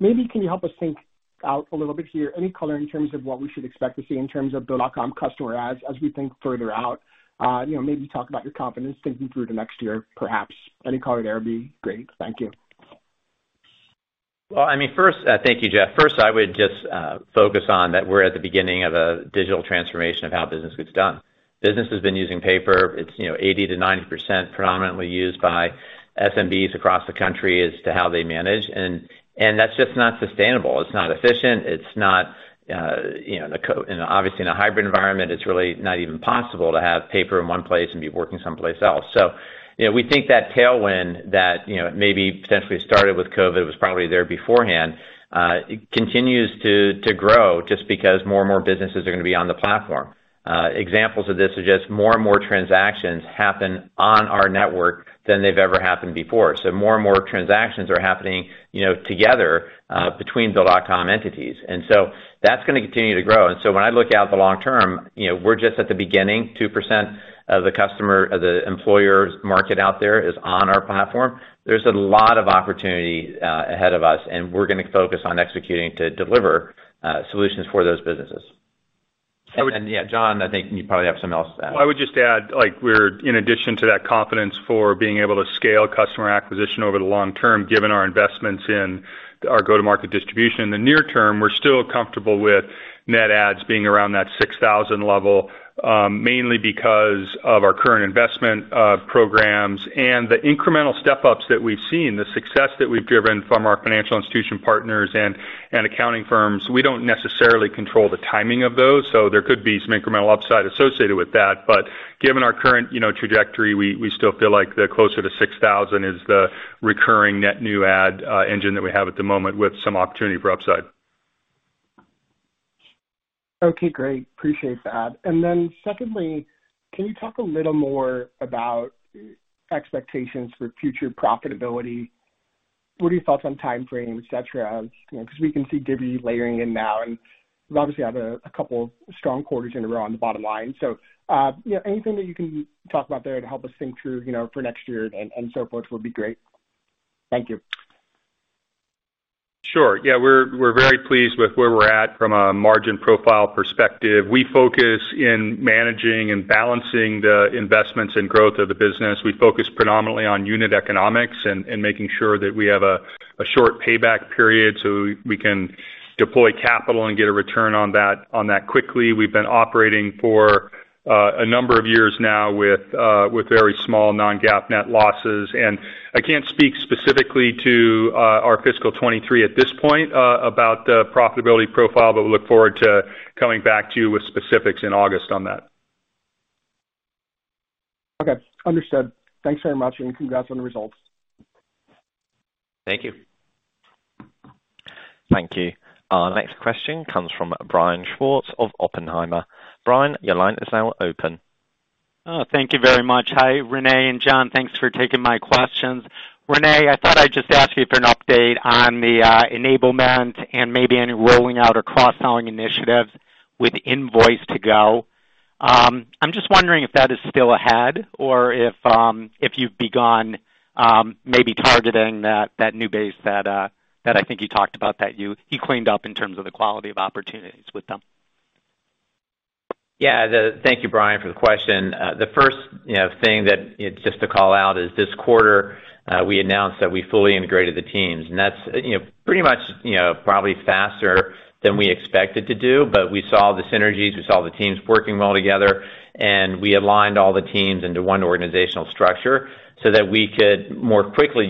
Maybe can you help us think out a little bit here, any color in terms of what we should expect to see in terms of Bill.com customer adds as we think further out? You know, maybe talk about your confidence thinking through to next year, perhaps. Any color there would be great. Thank you. Well, I mean, first, thank you, Jeff. First, I would just focus on that we're at the beginning of a digital transformation of how business gets done. Business has been using paper. It's, you know, 80%-90% predominantly used by SMBs across the country as to how they manage. That's just not sustainable. It's not efficient. It's not, you know, obviously, in a hybrid environment, it's really not even possible to have paper in one place and be working someplace else. You know, we think that tailwind that, you know, maybe potentially started with COVID, was probably there beforehand, continues to grow just because more and more businesses are gonna be on the platform. Examples of this are just more and more transactions happen on our network than they've ever happened before. More and more transactions are happening, you know, together, between Bill.com entities. That's gonna continue to grow. When I look out the long term, you know, we're just at the beginning, 2% of the customer of the employer's market out there is on our platform. There's a lot of opportunity ahead of us, and we're gonna focus on executing to deliver solutions for those businesses. I would- Yeah, John, I think you probably have something else to add. I would just add, like, in addition to that confidence for being able to scale customer acquisition over the long term, given our investments in our go-to-market distribution. In the near term, we're still comfortable with net adds being around that 6,000 level, mainly because of our current investment programs and the incremental step-ups that we've seen, the success that we've driven from our financial institution partners and accounting firms. We don't necessarily control the timing of those, so there could be some incremental upside associated with that. Given our current, you know, trajectory, we still feel like the closer to 6,000 is the recurring net new add engine that we have at the moment with some opportunity for upside. Okay, great. Appreciate that. Then secondly, can you talk a little more about expectations for future profitability? What are your thoughts on timeframe, et cetera? You know, because we can see Divvy layering in now, and you obviously have a couple strong quarters in a row on the bottom line. You know, anything that you can talk about there to help us think through, you know, for next year and so forth would be great. Thank you. Sure. Yeah. We're very pleased with where we're at from a margin profile perspective. We focus in managing and balancing the investments and growth of the business. We focus predominantly on unit economics and making sure that we have a short payback period, so we can deploy capital and get a return on that quickly. We've been operating for a number of years now with very small non-GAAP net losses. I can't speak specifically to our fiscal 2023 at this point about the profitability profile, but we look forward to coming back to you with specifics in August on that. Okay. Understood. Thanks very much, and congrats on the results. Thank you. Thank you. Our next question comes from Brian Schwartz of Oppenheimer. Brian, your line is now open. Oh, thank you very much. Hi, René and John. Thanks for taking my questions. René, I thought I'd just ask you for an update on the enablement and maybe any rolling out or cross-selling initiatives with Invoice2go. I'm just wondering if that is still ahead or if you've begun maybe targeting that new base that I think you talked about that you cleaned up in terms of the quality of opportunities with them. Yeah. Thank you, Brian, for the question. The first thing to call out is this quarter, we announced that we fully integrated the teams, and that's pretty much probably faster than we expected to do. We saw the synergies, we saw the teams working well together, and we aligned all the teams into one organizational structure so that we could more quickly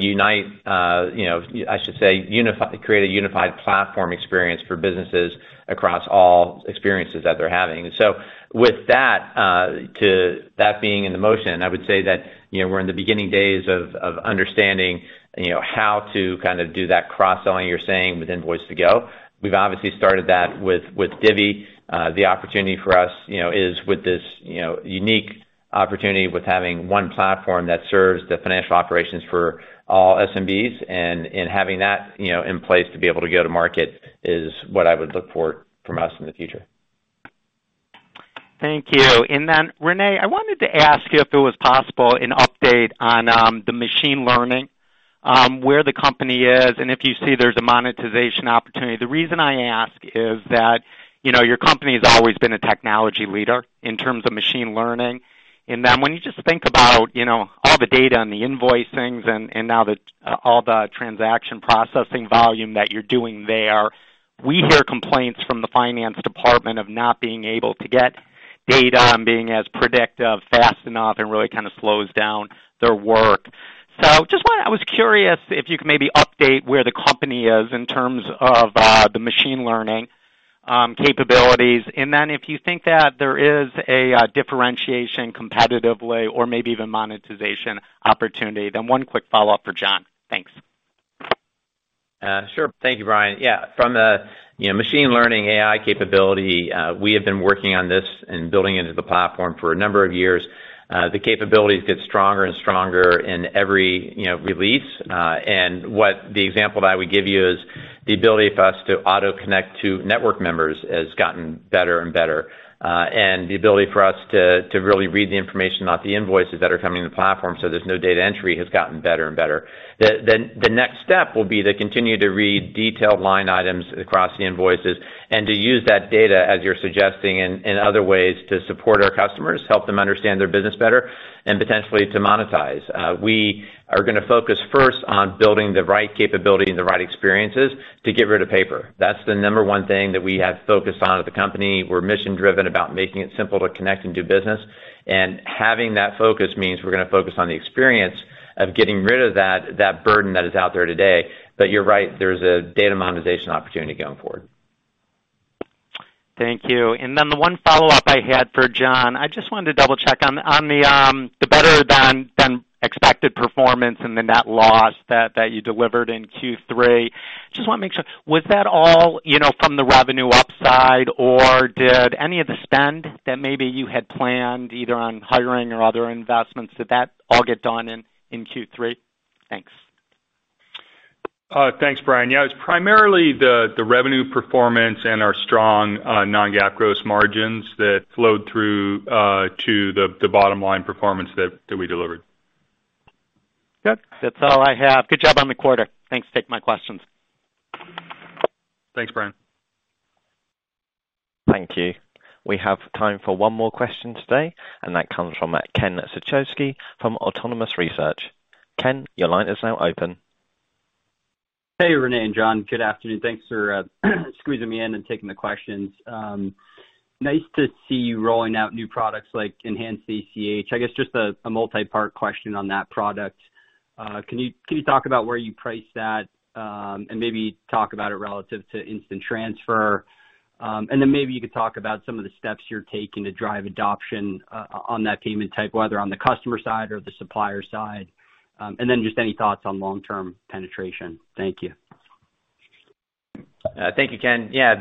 create a unified platform experience for businesses across all experiences that they're having. With that being in the motion, I would say that we're in the beginning days of understanding how to kind of do that cross-selling you're saying within Invoice2go. We've obviously started that with Divvy. The opportunity for us, you know, is with this, you know, unique opportunity with having one platform that serves the financial operations for all SMBs and having that, you know, in place to be able to go to market is what I would look for from us in the future. Thank you. René, I wanted to ask you if it was possible, an update on the machine learning, where the company is, and if you see there's a monetization opportunity. The reason I ask is that, you know, your company's always been a technology leader in terms of machine learning. When you just think about, you know, all the data and the invoicing and now all the transaction processing volume that you're doing there, we hear complaints from the finance department of not being able to get data and being as predictive fast enough and really kind of slows down their work. I was curious if you could maybe update where the company is in terms of the machine learning capabilities. If you think that there is a differentiation competitively or maybe even monetization opportunity. One quick follow-up for John. Thanks. Sure. Thank you, Brian. Yeah, from a, you know, machine learning AI capability, we have been working on this and building into the platform for a number of years. The capabilities get stronger and stronger in every, you know, release. And what the example that I would give you is the ability for us to auto connect to network members has gotten better and better, and the ability for us to really read the information off the invoices that are coming in the platform so there's no data entry, has gotten better and better. The next step will be to continue to read detailed line items across the invoices and to use that data, as you're suggesting, in other ways to support our customers, help them understand their business better, and potentially to monetize. We are gonna focus first on building the right capability and the right experiences to get rid of paper. That's the number one thing that we have focused on at the company. We're mission driven about making it simple to connect and do business. Having that focus means we're gonna focus on the experience of getting rid of that burden that is out there today. You're right, there's a data monetization opportunity going forward. Thank you. The one follow-up I had for John, I just wanted to double check on the better than expected performance and the net loss that you delivered in Q3. Just wanna make sure, was that all, you know, from the revenue upside, or did any of the spend that maybe you had planned either on hiring or other investments, did that all get done in Q3? Thanks. Thanks, Brian. Yeah, it's primarily the revenue performance and our strong non-GAAP gross margins that flowed through to the bottom line performance that we delivered. Good. That's all I have. Good job on the quarter. Thanks for taking my questions. Thanks, Brian. Thank you. We have time for one more question today, and that comes from Ken Suchoski from Autonomous Research. Ken, your line is now open. Hey, René and John. Good afternoon. Thanks for squeezing me in and taking the questions. Nice to see you rolling out new products like enhanced ACH. I guess just a multi-part question on that product. Can you talk about where you price that, and maybe talk about it relative to instant transfer? And then maybe you could talk about some of the steps you're taking to drive adoption on that payment type, whether on the customer side or the supplier side. And then just any thoughts on long-term penetration. Thank you. Thank you, Ken. Yeah,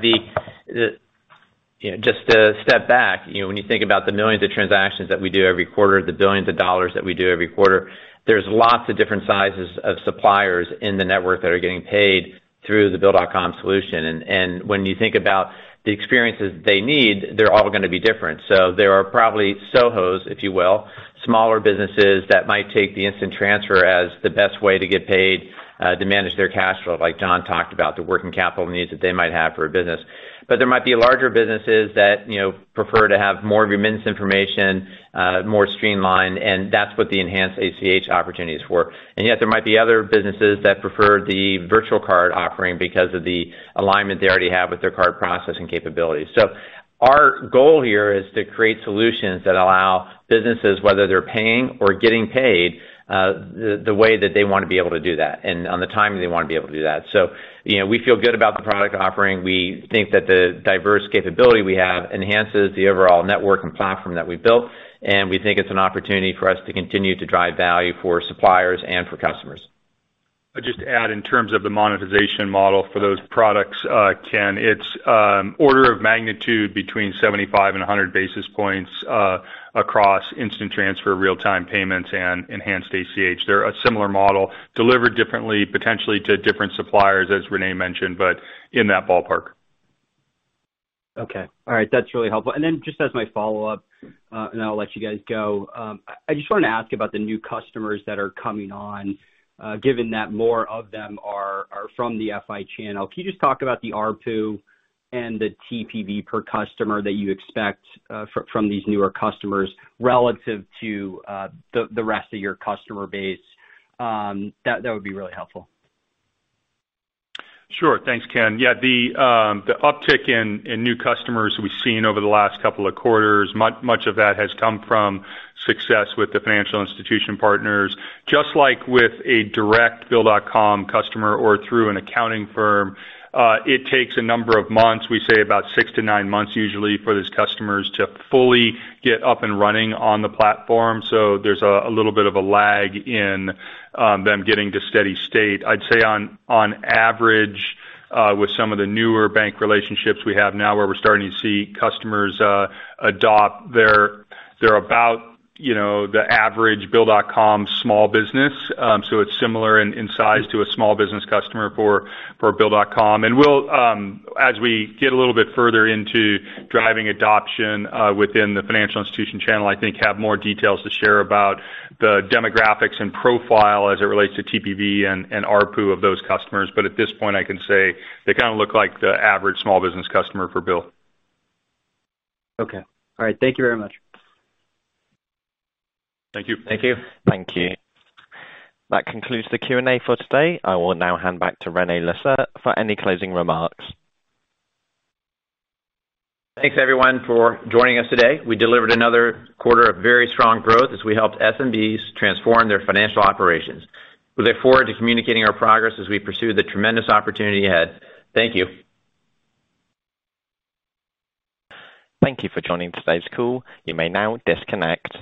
you know, just to step back, you know, when you think about the millions of transactions that we do every quarter, the billions of dollars that we do every quarter, there's lots of different sizes of suppliers in the network that are getting paid through the Bill.com solution. When you think about the experiences they need, they're all gonna be different. There are probably SOHOs, if you will, smaller businesses that might take the Instant Transfer as the best way to get paid to manage their cash flow, like John talked about, the working capital needs that they might have for a business. There might be larger businesses that, you know, prefer to have more remittance information, more streamlined, and that's what the enhanced ACH opportunity is for. Yet there might be other businesses that prefer the virtual card offering because of the alignment they already have with their card processing capabilities. Our goal here is to create solutions that allow businesses, whether they're paying or getting paid, the way that they wanna be able to do that and on the timing they wanna be able to do that. You know, we feel good about the product offering. We think that the diverse capability we have enhances the overall network and platform that we built, and we think it's an opportunity for us to continue to drive value for suppliers and for customers. I'll just add in terms of the monetization model for those products, Ken, it's order of magnitude between 75 and 100 basis points across Instant Transfer, real-time payments, and enhanced ACH. They're a similar model delivered differently, potentially to different suppliers, as René mentioned, but in that ballpark. Okay. All right. That's really helpful. Just as my follow-up, and I'll let you guys go. I just wanted to ask about the new customers that are coming on, given that more of them are from the FI channel. Can you just talk about the ARPU and the TPV per customer that you expect from these newer customers relative to the rest of your customer base? That would be really helpful. Sure. Thanks, Ken. Yeah, the uptick in new customers we've seen over the last couple of quarters, much of that has come from success with the financial institution partners. Just like with a direct Bill.com customer or through an accounting firm, it takes a number of months, we say about 6-9 months usually, for these customers to fully get up and running on the platform. There's a little bit of a lag in them getting to steady state. I'd say on average, with some of the newer bank relationships we have now where we're starting to see customers adopt, they're about, you know, the average Bill.com small business. It's similar in size to a small business customer for Bill.com. We'll, as we get a little bit further into driving adoption within the financial institution channel, I think have more details to share about the demographics and profile as it relates to TPV and ARPU of those customers. But at this point, I can say they kinda look like the average small business customer for BILL. Okay. All right. Thank you very much. Thank you. Thank you. Thank you. That concludes the Q&A for today. I will now hand back to René Lacerte for any closing remarks. Thanks, everyone, for joining us today. We delivered another quarter of very strong growth as we helped SMBs transform their financial operations. We look forward to communicating our progress as we pursue the tremendous opportunity ahead. Thank you. Thank you for joining today's call. You may now disconnect.